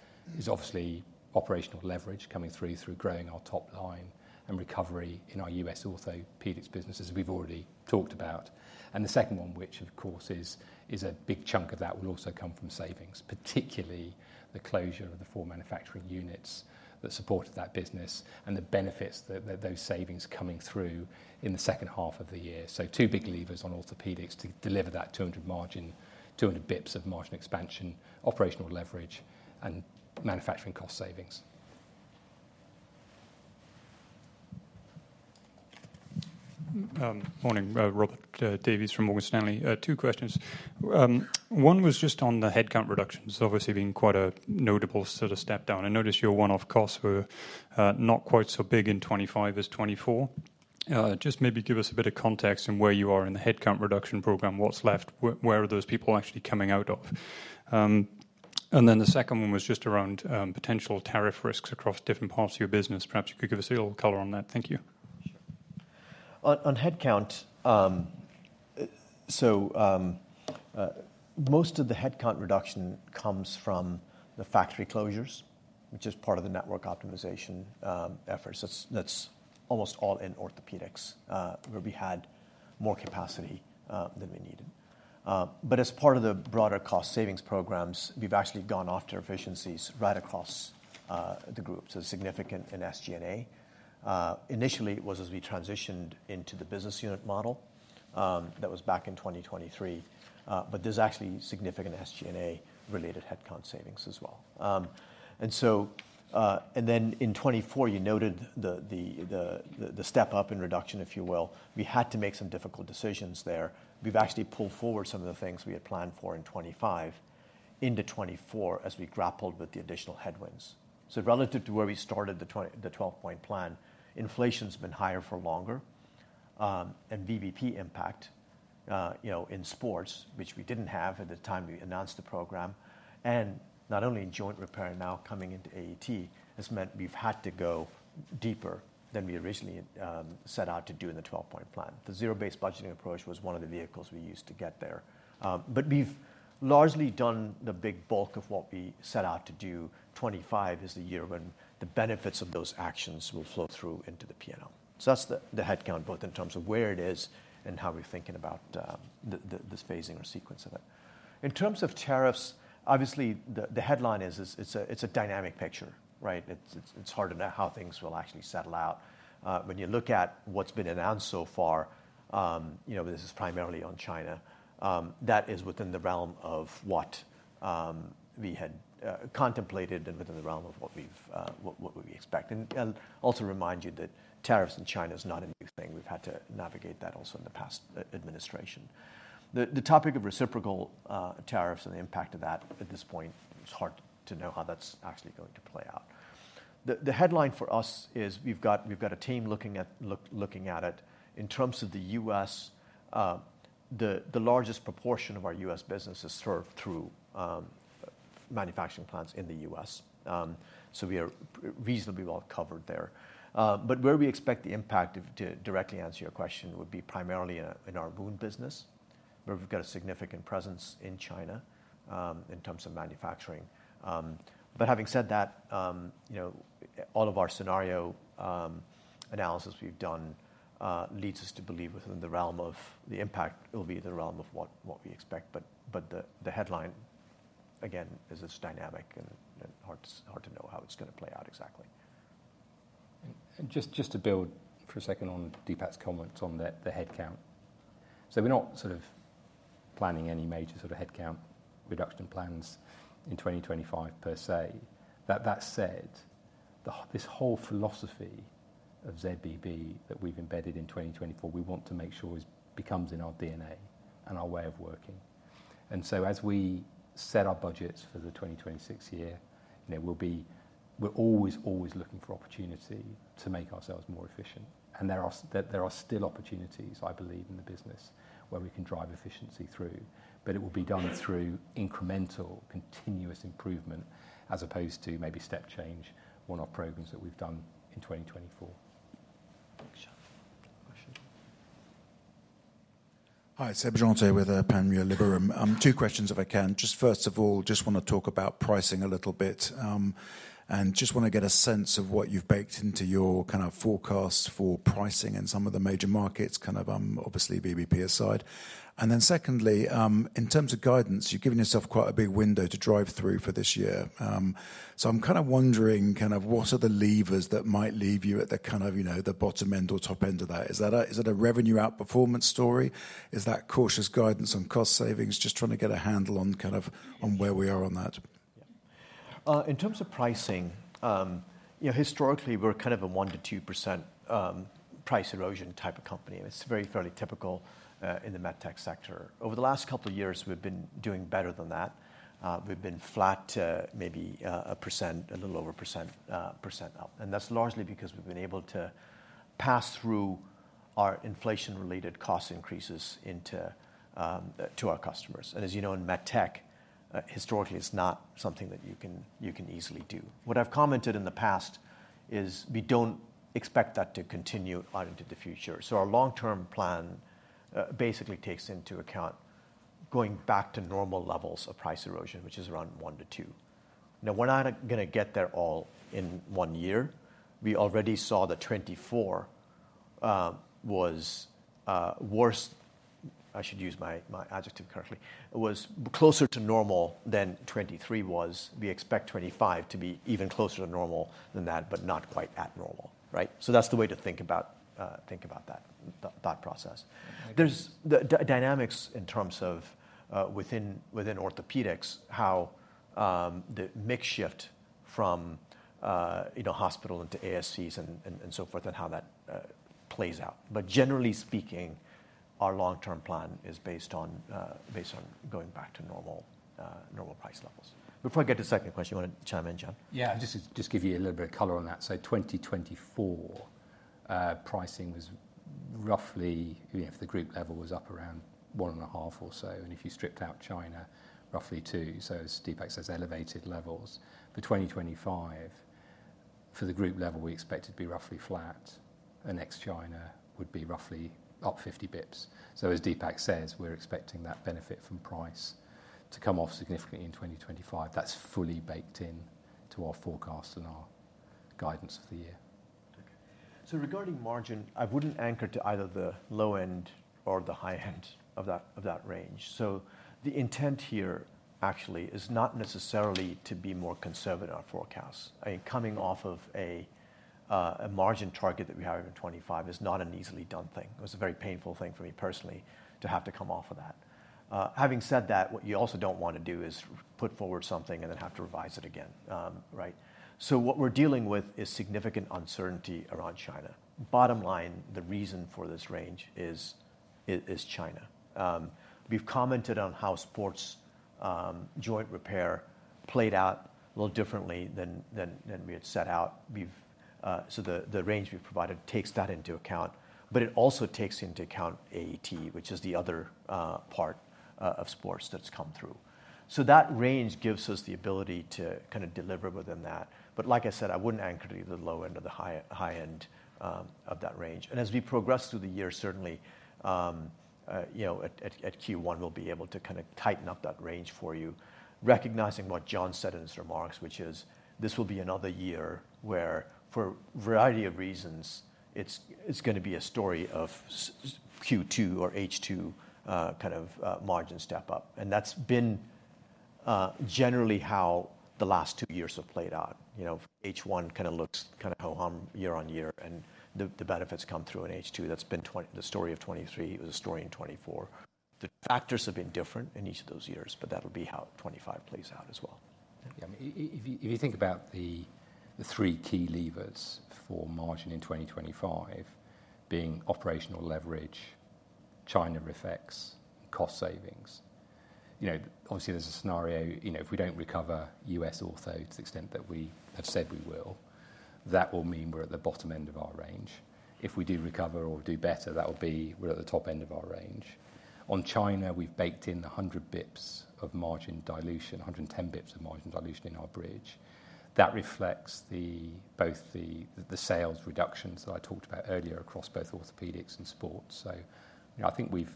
obviously operational leverage coming through growing our top line and recovery in our U.S. orthopedics business, as we've already talked about. And the second one, which of course is a big chunk of that, will also come from savings, particularly the closure of the four manufacturing units that supported that business and the benefits that those savings coming through in the second half of the year. So two big levers on orthopedics to deliver that 200 basis points of margin expansion, operational leverage, and manufacturing cost savings. Morning, Robert Davies from Morgan Stanley. Two questions. One was just on the headcount reductions, obviously being quite a notable sort of step down. I noticed your one-off costs were not quite so big in 2025 as 2024.Just maybe give us a bit of context on where you are in the headcount reduction program, what's left, where are those people actually coming out of? And then the second one was just around potential tariff risks across different parts of your business. Perhaps you could give us a little color on that. Thank you. On headcount, so most of the headcount reduction comes from the factory closures, which is part of the network optimization efforts. That's almost all in Orthopaedics, where we had more capacity than we needed. But as part of the broader cost savings programs, we've actually gone after efficiencies right across the group. So significant in SG&A. Initially, it was as we transitioned into the business unit model that was back in 2023. But there's actually significant SG&A-related headcount savings as well. And then in 2024, you noted the step up in reduction, if you will. We had to make some difficult decisions there. We've actually pulled forward some of the things we had planned for in 2025 into 2024 as we grappled with the additional headwinds. So relative to where we started the 12-Point Plan, inflation's been higher for longer. And VBP impact in sports, which we didn't have at the time we announced the program. And not only in Joint Repair now coming into AET, has meant we've had to go deeper than we originally set out to do in the 12-Point Plan. The Zero-Based Budgeting approach was one of the vehicles we used to get there. But we've largely done the big bulk of what we set out to do. 2025 is the year when the benefits of those actions will flow through into the P&L. So that's the headcount, both in terms of where it is and how we're thinking about this phasing or sequence of it. In terms of tariffs, obviously, the headline is it's a dynamic picture. Right? It's hard to know how things will actually settle out. When you look at what's been announced so far, this is primarily on China. That is within the realm of what we had contemplated and within the realm of what we expect. And I'll also remind you that tariffs in China is not a new thing. We've had to navigate that also in the past administration. The topic of reciprocal tariffs and the impact of that at this point, it's hard to know how that's actually going to play out. The headline for us is we've got a team looking at it. In terms of the U.S., the largest proportion of our U.S. business is served through manufacturing plants in the U.S. So we are reasonably well covered there. But where we expect the impact, to directly answer your question, would be primarily in our wound business, where we've got a significant presence in China in terms of manufacturing. But having said that, all of our scenario analysis we've done leads us to believe within the realm of the impact will be in the realm of what we expect. But the headline, again, is this dynamic, and hard to know how it's going to play out exactly. And just to build for a second on Deepak's comments on the headcount. So we're not sort of planning any major sort of headcount reduction plans in 2025 per se. That said, this whole philosophy of ZBB that we've embedded in 2024, we want to make sure it becomes in our DNA and our way of working. And so as we set our budgets for the 2026 year, we're always, always looking for opportunity to make ourselves more efficient. And there are still opportunities, I believe, in the business where we can drive efficiency through. But it will be done through incremental, continuous improvement, as opposed to maybe step change, one-off programs that we've done in 2024. Thanks, John. Question. Hi, Seb Jantet with Panmure Liberum. Two questions, if I can. Just first of all, just want to talk about pricing a little bit. And just want to get a sense of what you've baked into your kind of forecast for pricing in some of the major markets, kind of obviously VBP aside. And then secondly, in terms of guidance, you've given yourself quite a big window to drive through for this year. So I'm kind of wondering kind of what are the levers that might leave you at the kind of the bottom end or top end of that? Is that a revenue outperformance story? Is that cautious guidance on cost savings? Just trying to get a handle on kind of on where we are on that. In terms of pricing, historically, we're kind of a 1%-2% price erosion type of company. It's very fairly typical in the med tech sector. Over the last couple of years, we've been doing better than that. We've been flat, maybe a percent, a little over percent up. And that's largely because we've been able to pass through our inflation-related cost increases to our customers. As you know, in med tech, historically, it's not something that you can easily do. What I've commented in the past is we don't expect that to continue out into the future. Our long-term plan basically takes into account going back to normal levels of price erosion, which is around 1%-2%. Now, we're not going to get there all in one year. We already saw that 2024 was worse, I should use my adjective correctly, was closer to normal than 2023 was. We expect 2025 to be even closer to normal than that, but not quite at normal. Right? That's the way to think about that process. There's dynamics in terms of within orthopedics, how the mix shift from hospital into ASCs and so forth and how that plays out. But generally speaking, our long-term plan is based on going back to normal price levels. Before I get to the second question, you want to chime in, John? Yeah, just to give you a little bit of color on that. So 2024 pricing was roughly, if the group level was up around 1.5% or so. And if you stripped out China, roughly 2%. So as Deepak says, elevated levels. For 2025, for the group level, we expect it to be roughly flat. And next China would be roughly up 50 basis points. So as Deepak says, we're expecting that benefit from price to come off significantly in 2025. That's fully baked into our forecast and our guidance for the year. So regarding margin, I wouldn't anchor to either the low end or the high end of that range. So the intent here actually is not necessarily to be more conservative in our forecasts. I mean, coming off of a margin target that we have in 2025 is not an easily done thing. It was a very painful thing for me personally to have to come off of that. Having said that, what you also don't want to do is put forward something and then have to revise it again. Right? So what we're dealing with is significant uncertainty around China. Bottom line, the reason for this range is China. We've commented on how sports joint repair played out a little differently than we had set out. So the range we've provided takes that into account. But it also takes into account AET, which is the other part of sports that's come through. So that range gives us the ability to kind of deliver within that. But like I said, I wouldn't anchor to either the low end or the high end of that range. And as we progress through the year, certainly at Q1, we'll be able to kind of tighten up that range for you, recognizing what John said in his remarks, which is this will be another year where, for a variety of reasons, it's going to be a story of Q2 or H2 kind of margin step up. And that's been generally how the last two years have played out. H1 kind of looks kind of ho-hum year on year. And the benefits come through in H2. That's been the story of 2023. It was a story in 2024. The factors have been different in each of those years, but that'll be how 2025 plays out as well. If you think about the three key levers for margin in 2025 being operational leverage, China effects, and cost savings, obviously there's a scenario if we don't recover US ortho to the extent that we have said we will, that will mean we're at the bottom end of our range. If we do recover or do better, that will mean we're at the top end of our range. On China, we've baked in 100 basis points of margin dilution, 110 basis points of margin dilution in our bridge. That reflects both the sales reductions that I talked about earlier across both orthopedics and sports. So I think we've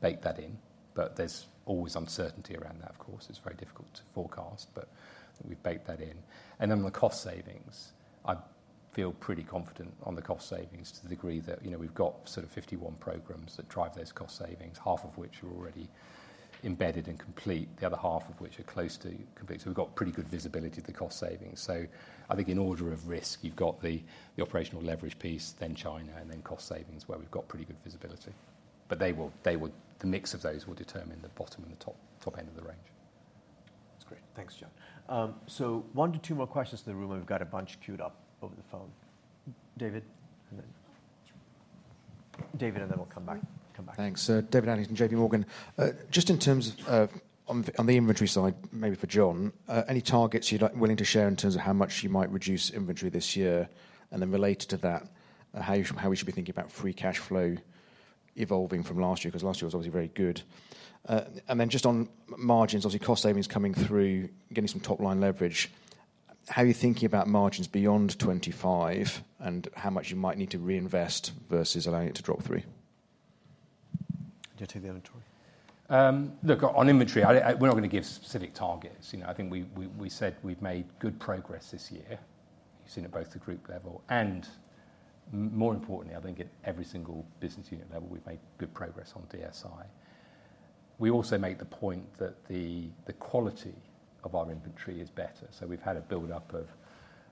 baked that in. But there's always uncertainty around that, of course. It's very difficult to forecast. But we've baked that in. And then the cost savings, I feel pretty confident on the cost savings to the degree that we've got sort of 51 programs that drive those cost savings, half of which are already embedded and complete, the other half of which are close to complete. So we've got pretty good visibility of the cost savings. So I think in order of risk, you've got the operational leverage piece, then China, and then cost savings where we've got pretty good visibility. But the mix of those will determine the bottom and the top end of the range. That's great. Thanks, John. So one to two more questions to the room. We've got a bunch queued up over the phone. David, and then David, and then we'll come back. Thanks. David Adlington from JPMorgan. Just in terms of on the inventory side, maybe for John, any targets you're willing to share in terms of how much you might reduce inventory this year? And then related to that, how we should be thinking about free cash flow evolving from last year, because last year was obviously very good. And then just on margins, obviously cost savings coming through, getting some top-line leverage. How are you thinking about margins beyond 2025 and how much you might need to reinvest versus allowing it to drop through? Do you want to take the other two? Look, on inventory, we're not going to give specific targets. I think we said we've made good progress this year. You've seen it both at group level. And more importantly, I think at every single business unit level, we've made good progress on DSI. We also make the point that the quality of our inventory is better. So we've had a build-up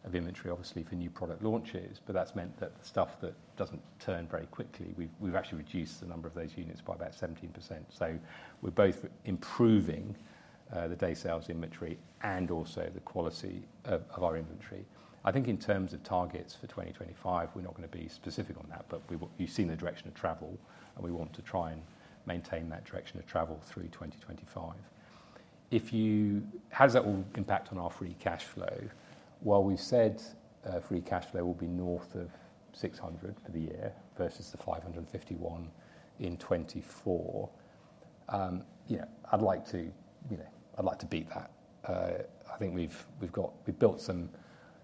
of inventory, obviously, for new product launches. But that's meant that the stuff that doesn't turn very quickly, we've actually reduced the number of those units by about 17%. So we're both improving the day sales inventory and also the quality of our inventory. I think in terms of targets for 2025, we're not going to be specific on that. But you've seen the direction of travel, and we want to try and maintain that direction of travel through 2025. How does that all impact on our free cash flow? Well, we've said free cash flow will be north of $600 million for the year versus the $551 million in 2024. I'd like to beat that. I think we've built some.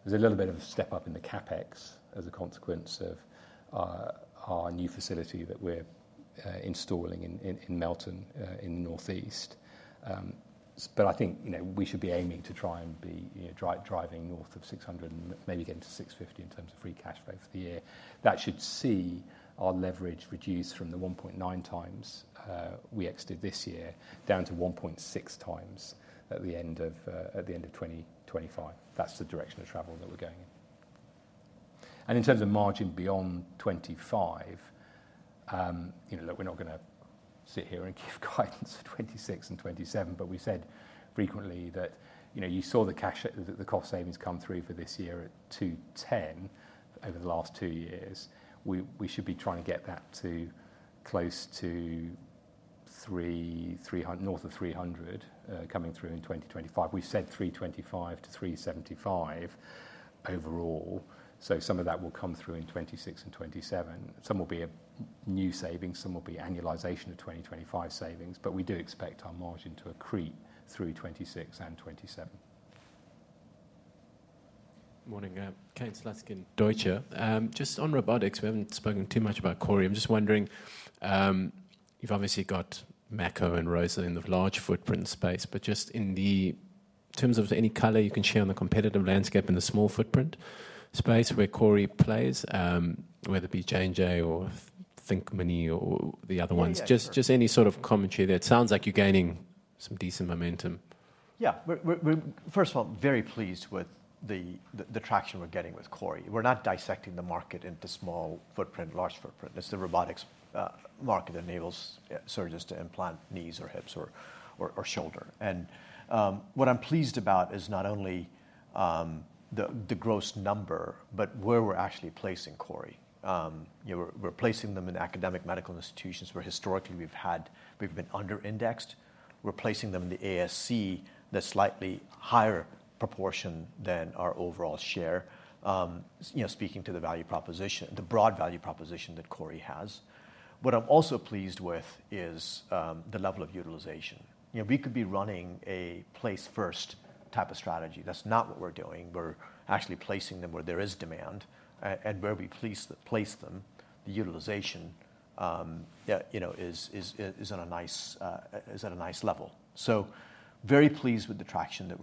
There's a little bit of a step up in the CapEx as a consequence of our new facility that we're installing in Melton in the northeast. But I think we should be aiming to try and be driving north of 600 and maybe getting to 650 in terms of free cash flow for the year. That should see our leverage reduced from the 1.9x we exited this year down to 1.6x at the end of 2025. That's the direction of travel that we're going in. In terms of margin beyond 2025, look, we're not going to sit here and give guidance for 2026 and 2027. But we said frequently that you saw the cost savings come through for this year at 210 over the last two years. We should be trying to get that to close to north of 300 coming through in 2025. We've said 325-375 overall. So some of that will come through in 2026 and 2027. Some will be new savings. Some will be annualization of 2025 savings. But we do expect our margin to accrete through 2026 and 2027. Morning. Kane Slutzkin, Deutsche Numis. Just on robotics, we haven't spoken too much about CORI. I'm just wondering, you've obviously got Mako and ROSA in the large footprint space. But just in the terms of any color you can share on the competitive landscape in the small footprint space where CORI plays, whether it be J&J or THINK Surgical or the other ones, just any sort of commentary there. It sounds like you're gaining some decent momentum. Yeah. First of all, very pleased with the traction we're getting with CORI. We're not dissecting the market into small footprint, large footprint. It's the robotics market that enables surgeons to implant knees or hips or shoulder. What I'm pleased about is not only the gross number, but where we're actually placing CORI. We're placing them in academic medical institutions where historically we've been under-indexed. We're placing them in the ASC at a slightly higher proportion than our overall share, speaking to the broad value proposition that CORI has. What I'm also pleased with is the level of utilization. We could be running a place-first type of strategy. That's not what we're doing. We're actually placing them where there is demand. Where we place them, the utilization is at a nice level. Very pleased with the traction that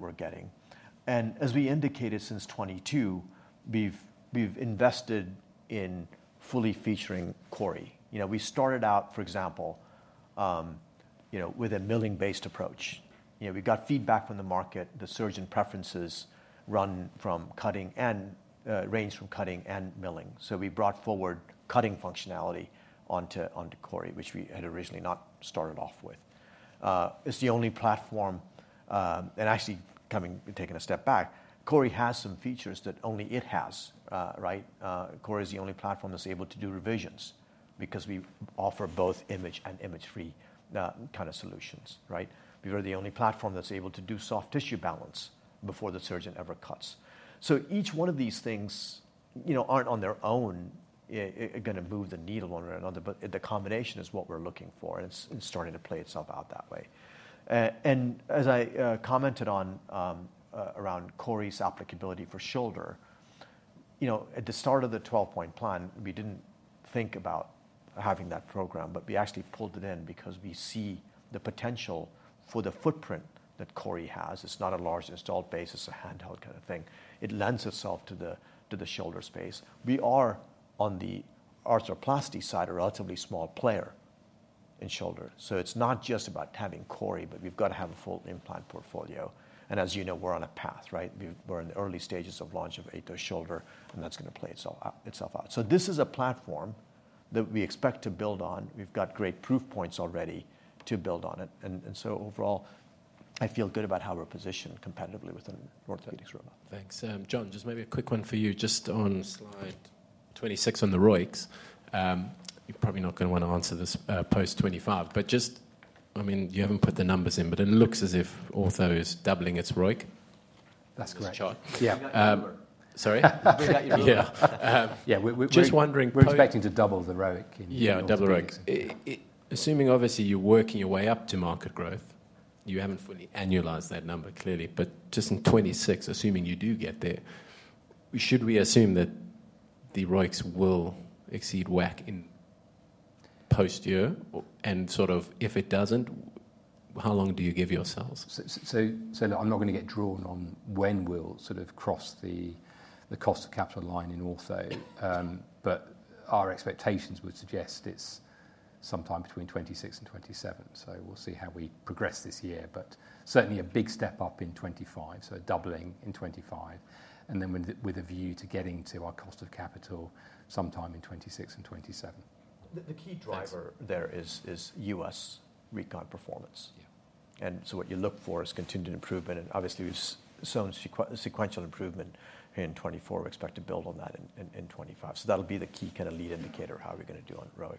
we're getting. As we indicated since 2022, we've invested in fully featuring CORI. We started out, for example, with a milling-based approach. We've got feedback from the market. The surgeon preferences range from cutting and milling. So we brought forward cutting functionality onto CORI, which we had originally not started off with. It's the only platform. And actually taking a step back, CORI has some features that only it has. Right? CORI is the only platform that's able to do revisions because we offer both image and image-free kind of solutions. Right? We were the only platform that's able to do soft tissue balance before the surgeon ever cuts. So each one of these things aren't on their own going to move the needle one way or another. But the combination is what we're looking for. And it's starting to play itself out that way. And as I commented around CORI's applicability for shoulder, at the start of the 12-Point Plan, we didn't think about having that program. But we actually pulled it in because we see the potential for the footprint that CORI has. It's not a large installed base. It's a handheld kind of thing. It lends itself to the shoulder space. We are on the arthroplasty side, a relatively small player in shoulder. So it's not just about having CORI, but we've got to have a full implant portfolio. And as you know, we're on a path. Right? We're in the early stages of launch of AETOS shoulder. And that's going to play itself out. So this is a platform that we expect to build on. We've got great proof points already to build on it. And so overall, I feel good about how we're positioned competitively within orthopaedics robotics. Thanks. John, just maybe a quick one for you. Just on slide 26 on the ROICs, you're probably not going to want to answer this post-2025. But just, I mean, you haven't put the numbers in, but it looks as if Ortho is doubling its ROIC. That's correct. Yeah. Sorry? Yeah. We're just wondering. We're expecting to double the ROIC. Yeah, double ROIC. Assuming obviously you're working your way up to market growth, you haven't fully annualized that number clearly. But just in 2026, assuming you do get there, should we assume that the ROICs will exceed WACC in post-year? And sort of if it doesn't, how long do you give yourselves? So look, I'm not going to get drawn on when we'll sort of cross the cost of capital line in Ortho. But our expectations would suggest it's sometime between 2026 and 2027. So we'll see how we progress this year. But certainly a big step up in 2025, so doubling in 2025. And then with a view to getting to our cost of capital sometime in 2026 and 2027. The key driver there is U.S. recon performance. And so what you look for is continued improvement. And obviously, we've seen sequential improvement here in 2024. We expect to build on that in 2025. So that'll be the key kind of lead indicator of how we're going to do on ROIC.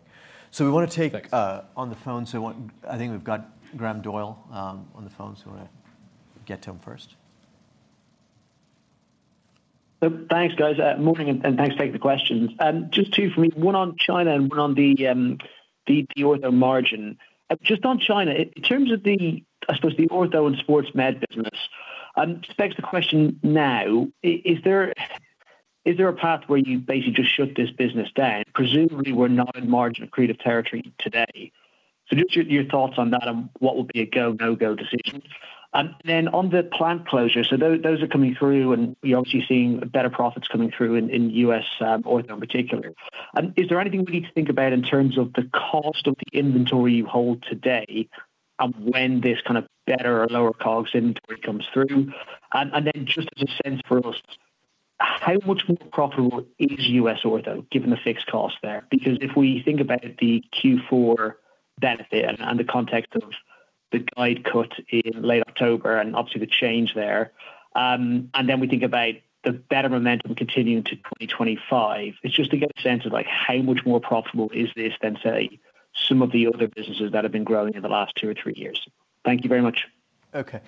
So we want to take on the phone. So I think we've got Graham Doyle on the phone. So we want to get to him first. Thanks, guys. Morning. And thanks for taking the questions. Just two for me. One on China and one on the Ortho margin. Just on China, in terms of, I suppose, the Ortho and sports med business, I'm specsing the question now. Is there a path where you basically just shut this business down? Presumably, we're not in margin-accretive territory today. So just your thoughts on that and what would be a go, no-go decision. And then on the plant closure, so those are coming through. And we're obviously seeing better profits coming through in U.S. Ortho in particular. Is there anything we need to think about in terms of the cost of the inventory you hold today and when this kind of better or lower cost inventory comes through? And then just as a sense for us, how much more profitable is U.S. Ortho given the fixed cost there? Because if we think about the Q4 benefit and the context of the guide cut in late October and obviously the change there, and then we think about the better momentum continuing to 2025, it's just to get a sense of how much more profitable is this than, say, some of the other businesses that have been growing in the last two or three years. Thank you very much. Okay.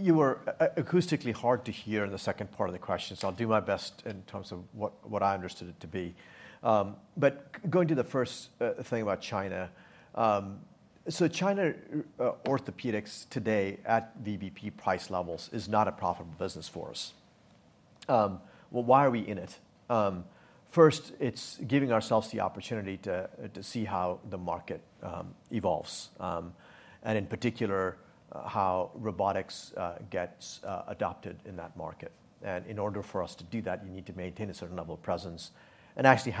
You were acoustically hard to hear in the second part of the question. So I'll do my best in terms of what I understood it to be. But going to the first thing about China, so China orthopedics today at VBP price levels is not a profitable business for us. Well, why are we in it? First, it's giving ourselves the opportunity to see how the market evolves. And in particular, how robotics gets adopted in that market. And in order for us to do that, you need to maintain a certain level of presence and actually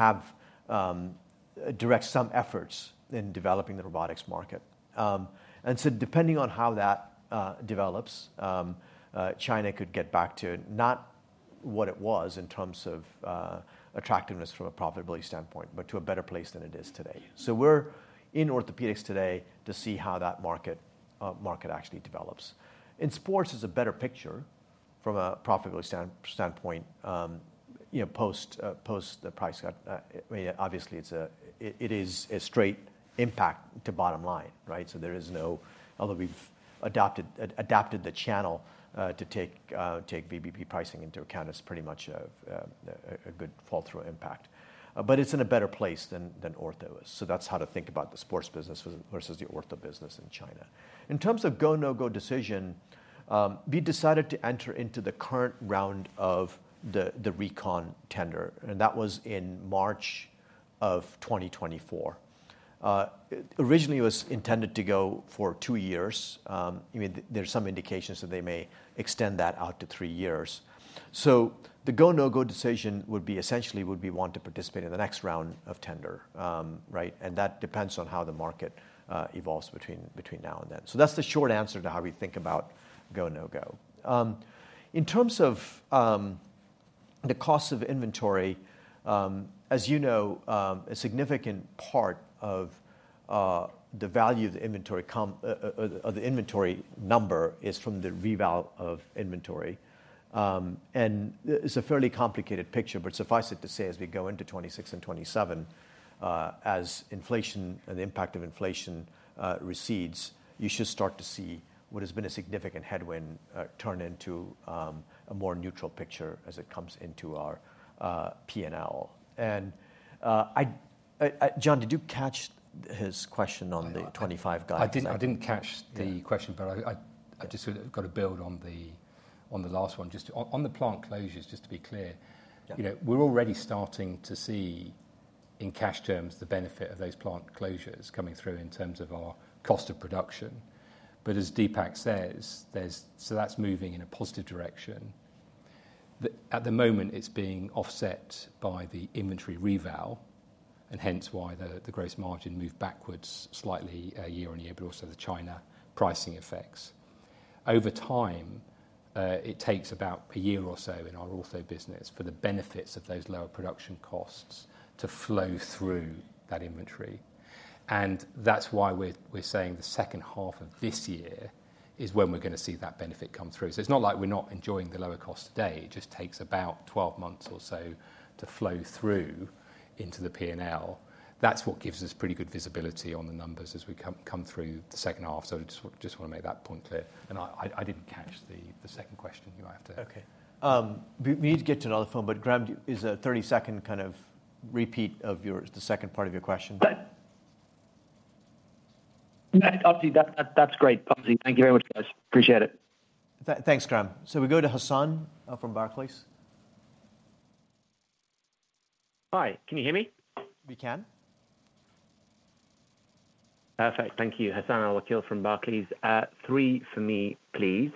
direct some efforts in developing the robotics market. And so depending on how that develops, China could get back to not what it was in terms of attractiveness from a profitability standpoint, but to a better place than it is today. So we're in orthopedics today to see how that market actually develops. In sports, it's a better picture from a profitability standpoint post the price cut. I mean, obviously, it is a straight impact to bottom line. Right? So there is no, although we've adapted the channel to take VBP pricing into account, it's pretty much a good flow-through impact. But it's in a better place than Ortho is. So that's how to think about the sports business versus the Ortho business in China. In terms of go, no-go decision, we decided to enter into the current round of the Recon tender. And that was in March of 2024. Originally, it was intended to go for two years. I mean, there's some indications that they may extend that out to three years. So the go-no-go decision would be essentially we'd want to participate in the next round of tender. Right? And that depends on how the market evolves between now and then. So that's the short answer to how we think about go-no-go. In terms of the cost of inventory, as you know, a significant part of the value of the inventory number is from the revaluation of inventory. And it's a fairly complicated picture. But suffice it to say, as we go into 2026 and 2027, as inflation and the impact of inflation recedes, you should start to see what has been a significant headwind turn into a more neutral picture as it comes into our P&L. And John, did you catch his question on the 2025 guide? I didn't catch the question. But I just sort of got a build on the last one. On the plant closures, just to be clear, we're already starting to see in cash terms the benefit of those plant closures coming through in terms of our cost of production. But as Deepak says, so that's moving in a positive direction. At the moment, it's being offset by the inventory revalue, and hence why the gross margin moved backwards slightly year on year, but also the China pricing effects. Over time, it takes about a year or so in our Ortho business for the benefits of those lower production costs to flow through that inventory. And that's why we're saying the second half of this year is when we're going to see that benefit come through. So it's not like we're not enjoying the lower cost today. It just takes about 12 months or so to flow through into the P&L. That's what gives us pretty good visibility on the numbers as we come through the second half. So I just want to make that point clear. And I didn't catch the second question. You might have to. Okay. We need to get to another phone. But Graham, is a 30-second kind of repeat of the second part of your question? That's great. Thank you very much, guys. Appreciate it. Thanks, Graham. So we go to Hassan from Barclays. Hi. Can you hear me? We can. Perfect. Thank you. Hassan Al-Wakeel from Barclays. Three for me, please.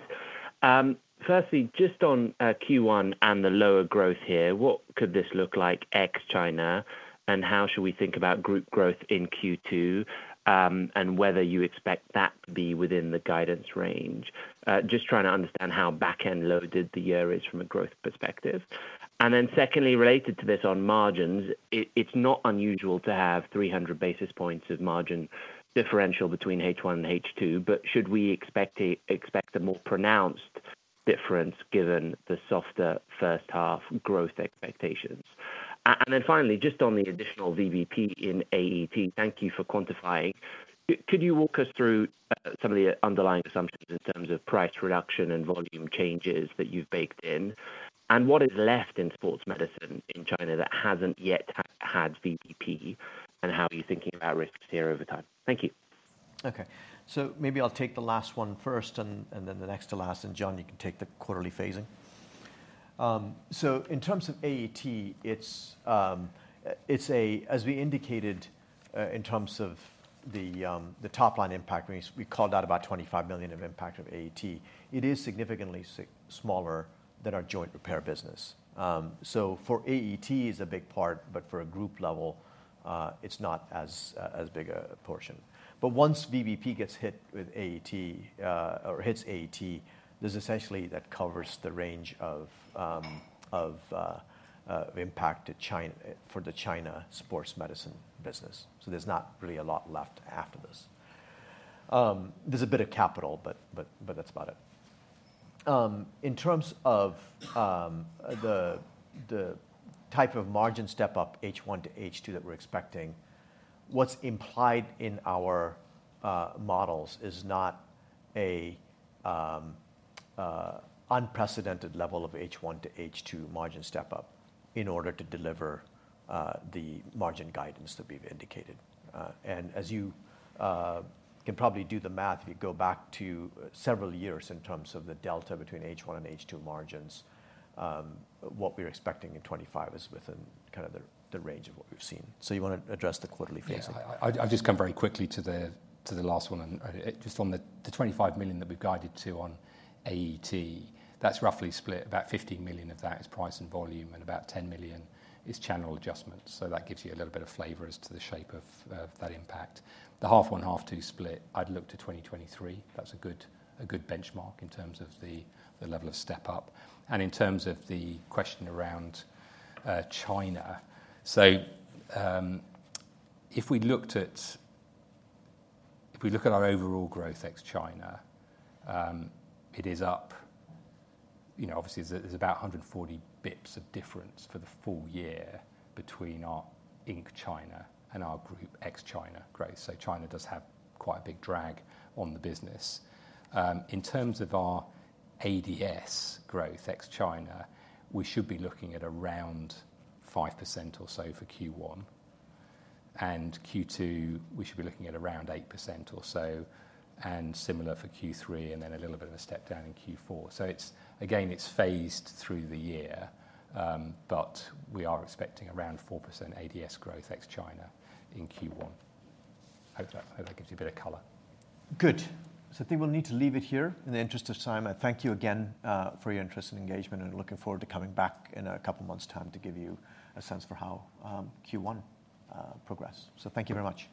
Firstly, just on Q1 and the lower growth here, what could this look like ex-China? And how should we think about group growth in Q2 and whether you expect that to be within the guidance range? Just trying to understand how back-end loaded the year is from a growth perspective. And then secondly, related to this on margins, it's not unusual to have 300 basis points of margin differential between H1 and H2. But should we expect a more pronounced difference given the softer first half growth expectations? And then finally, just on the additional VBP in AET, thank you for quantifying. Could you walk us through some of the underlying assumptions in terms of price reduction and volume changes that you've baked in? What is left in sports medicine in China that hasn't yet had VBP? And how are you thinking about risks here over time? Thank you. Okay. Maybe I'll take the last one first and then the next to last. And John, you can take the quarterly phasing. In terms of AET, as we indicated in terms of the top-line impact, we called out about $25 million of impact of AET. It is significantly smaller than our joint repair business. For AET, it's a big part. But for a group level, it's not as big a portion. Once VBP gets hit with AET or hits AET, there's essentially that covers the range of impact for the China sports medicine business. There's not really a lot left after this. There's a bit of capital. But that's about it. In terms of the type of margin step-up H1 to H2 that we're expecting, what's implied in our models is not an unprecedented level of H1 to H2 margin step-up in order to deliver the margin guidance that we've indicated, and as you can probably do the math, if you go back to several years in terms of the delta between H1 and H2 margins, what we're expecting in 2025 is within kind of the range of what we've seen. So you want to address the quarterly phasing. Yeah. I'll just come very quickly to the last one. Just on the $25 million that we've guided to on AET, that's roughly split. About $15 million of that is price and volume. And about $10 million is channel adjustments. So that gives you a little bit of flavor as to the shape of that impact. The half-one, half-two split, I'd look to 2023. That's a good benchmark in terms of the level of step-up. In terms of the question around China, so if we look at our overall growth ex-China, it is up. Obviously, there's about 140 basis points of difference for the full year between our in China and our group ex-China growth. So China does have quite a big drag on the business. In terms of our ADS growth ex-China, we should be looking at around 5% or so for Q1. Q2, we should be looking at around 8% or so. Similar for Q3. Then a little bit of a step-down in Q4. So again, it's phased through the year. We are expecting around 4% ADS growth ex-China in Q1. Hope that gives you a bit of color. Good. So I think we'll need to leave it here in the interest of time. And thank you again for your interest and engagement. And looking forward to coming back in a couple of months' time to give you a sense for how Q1 progressed. So thank you very much.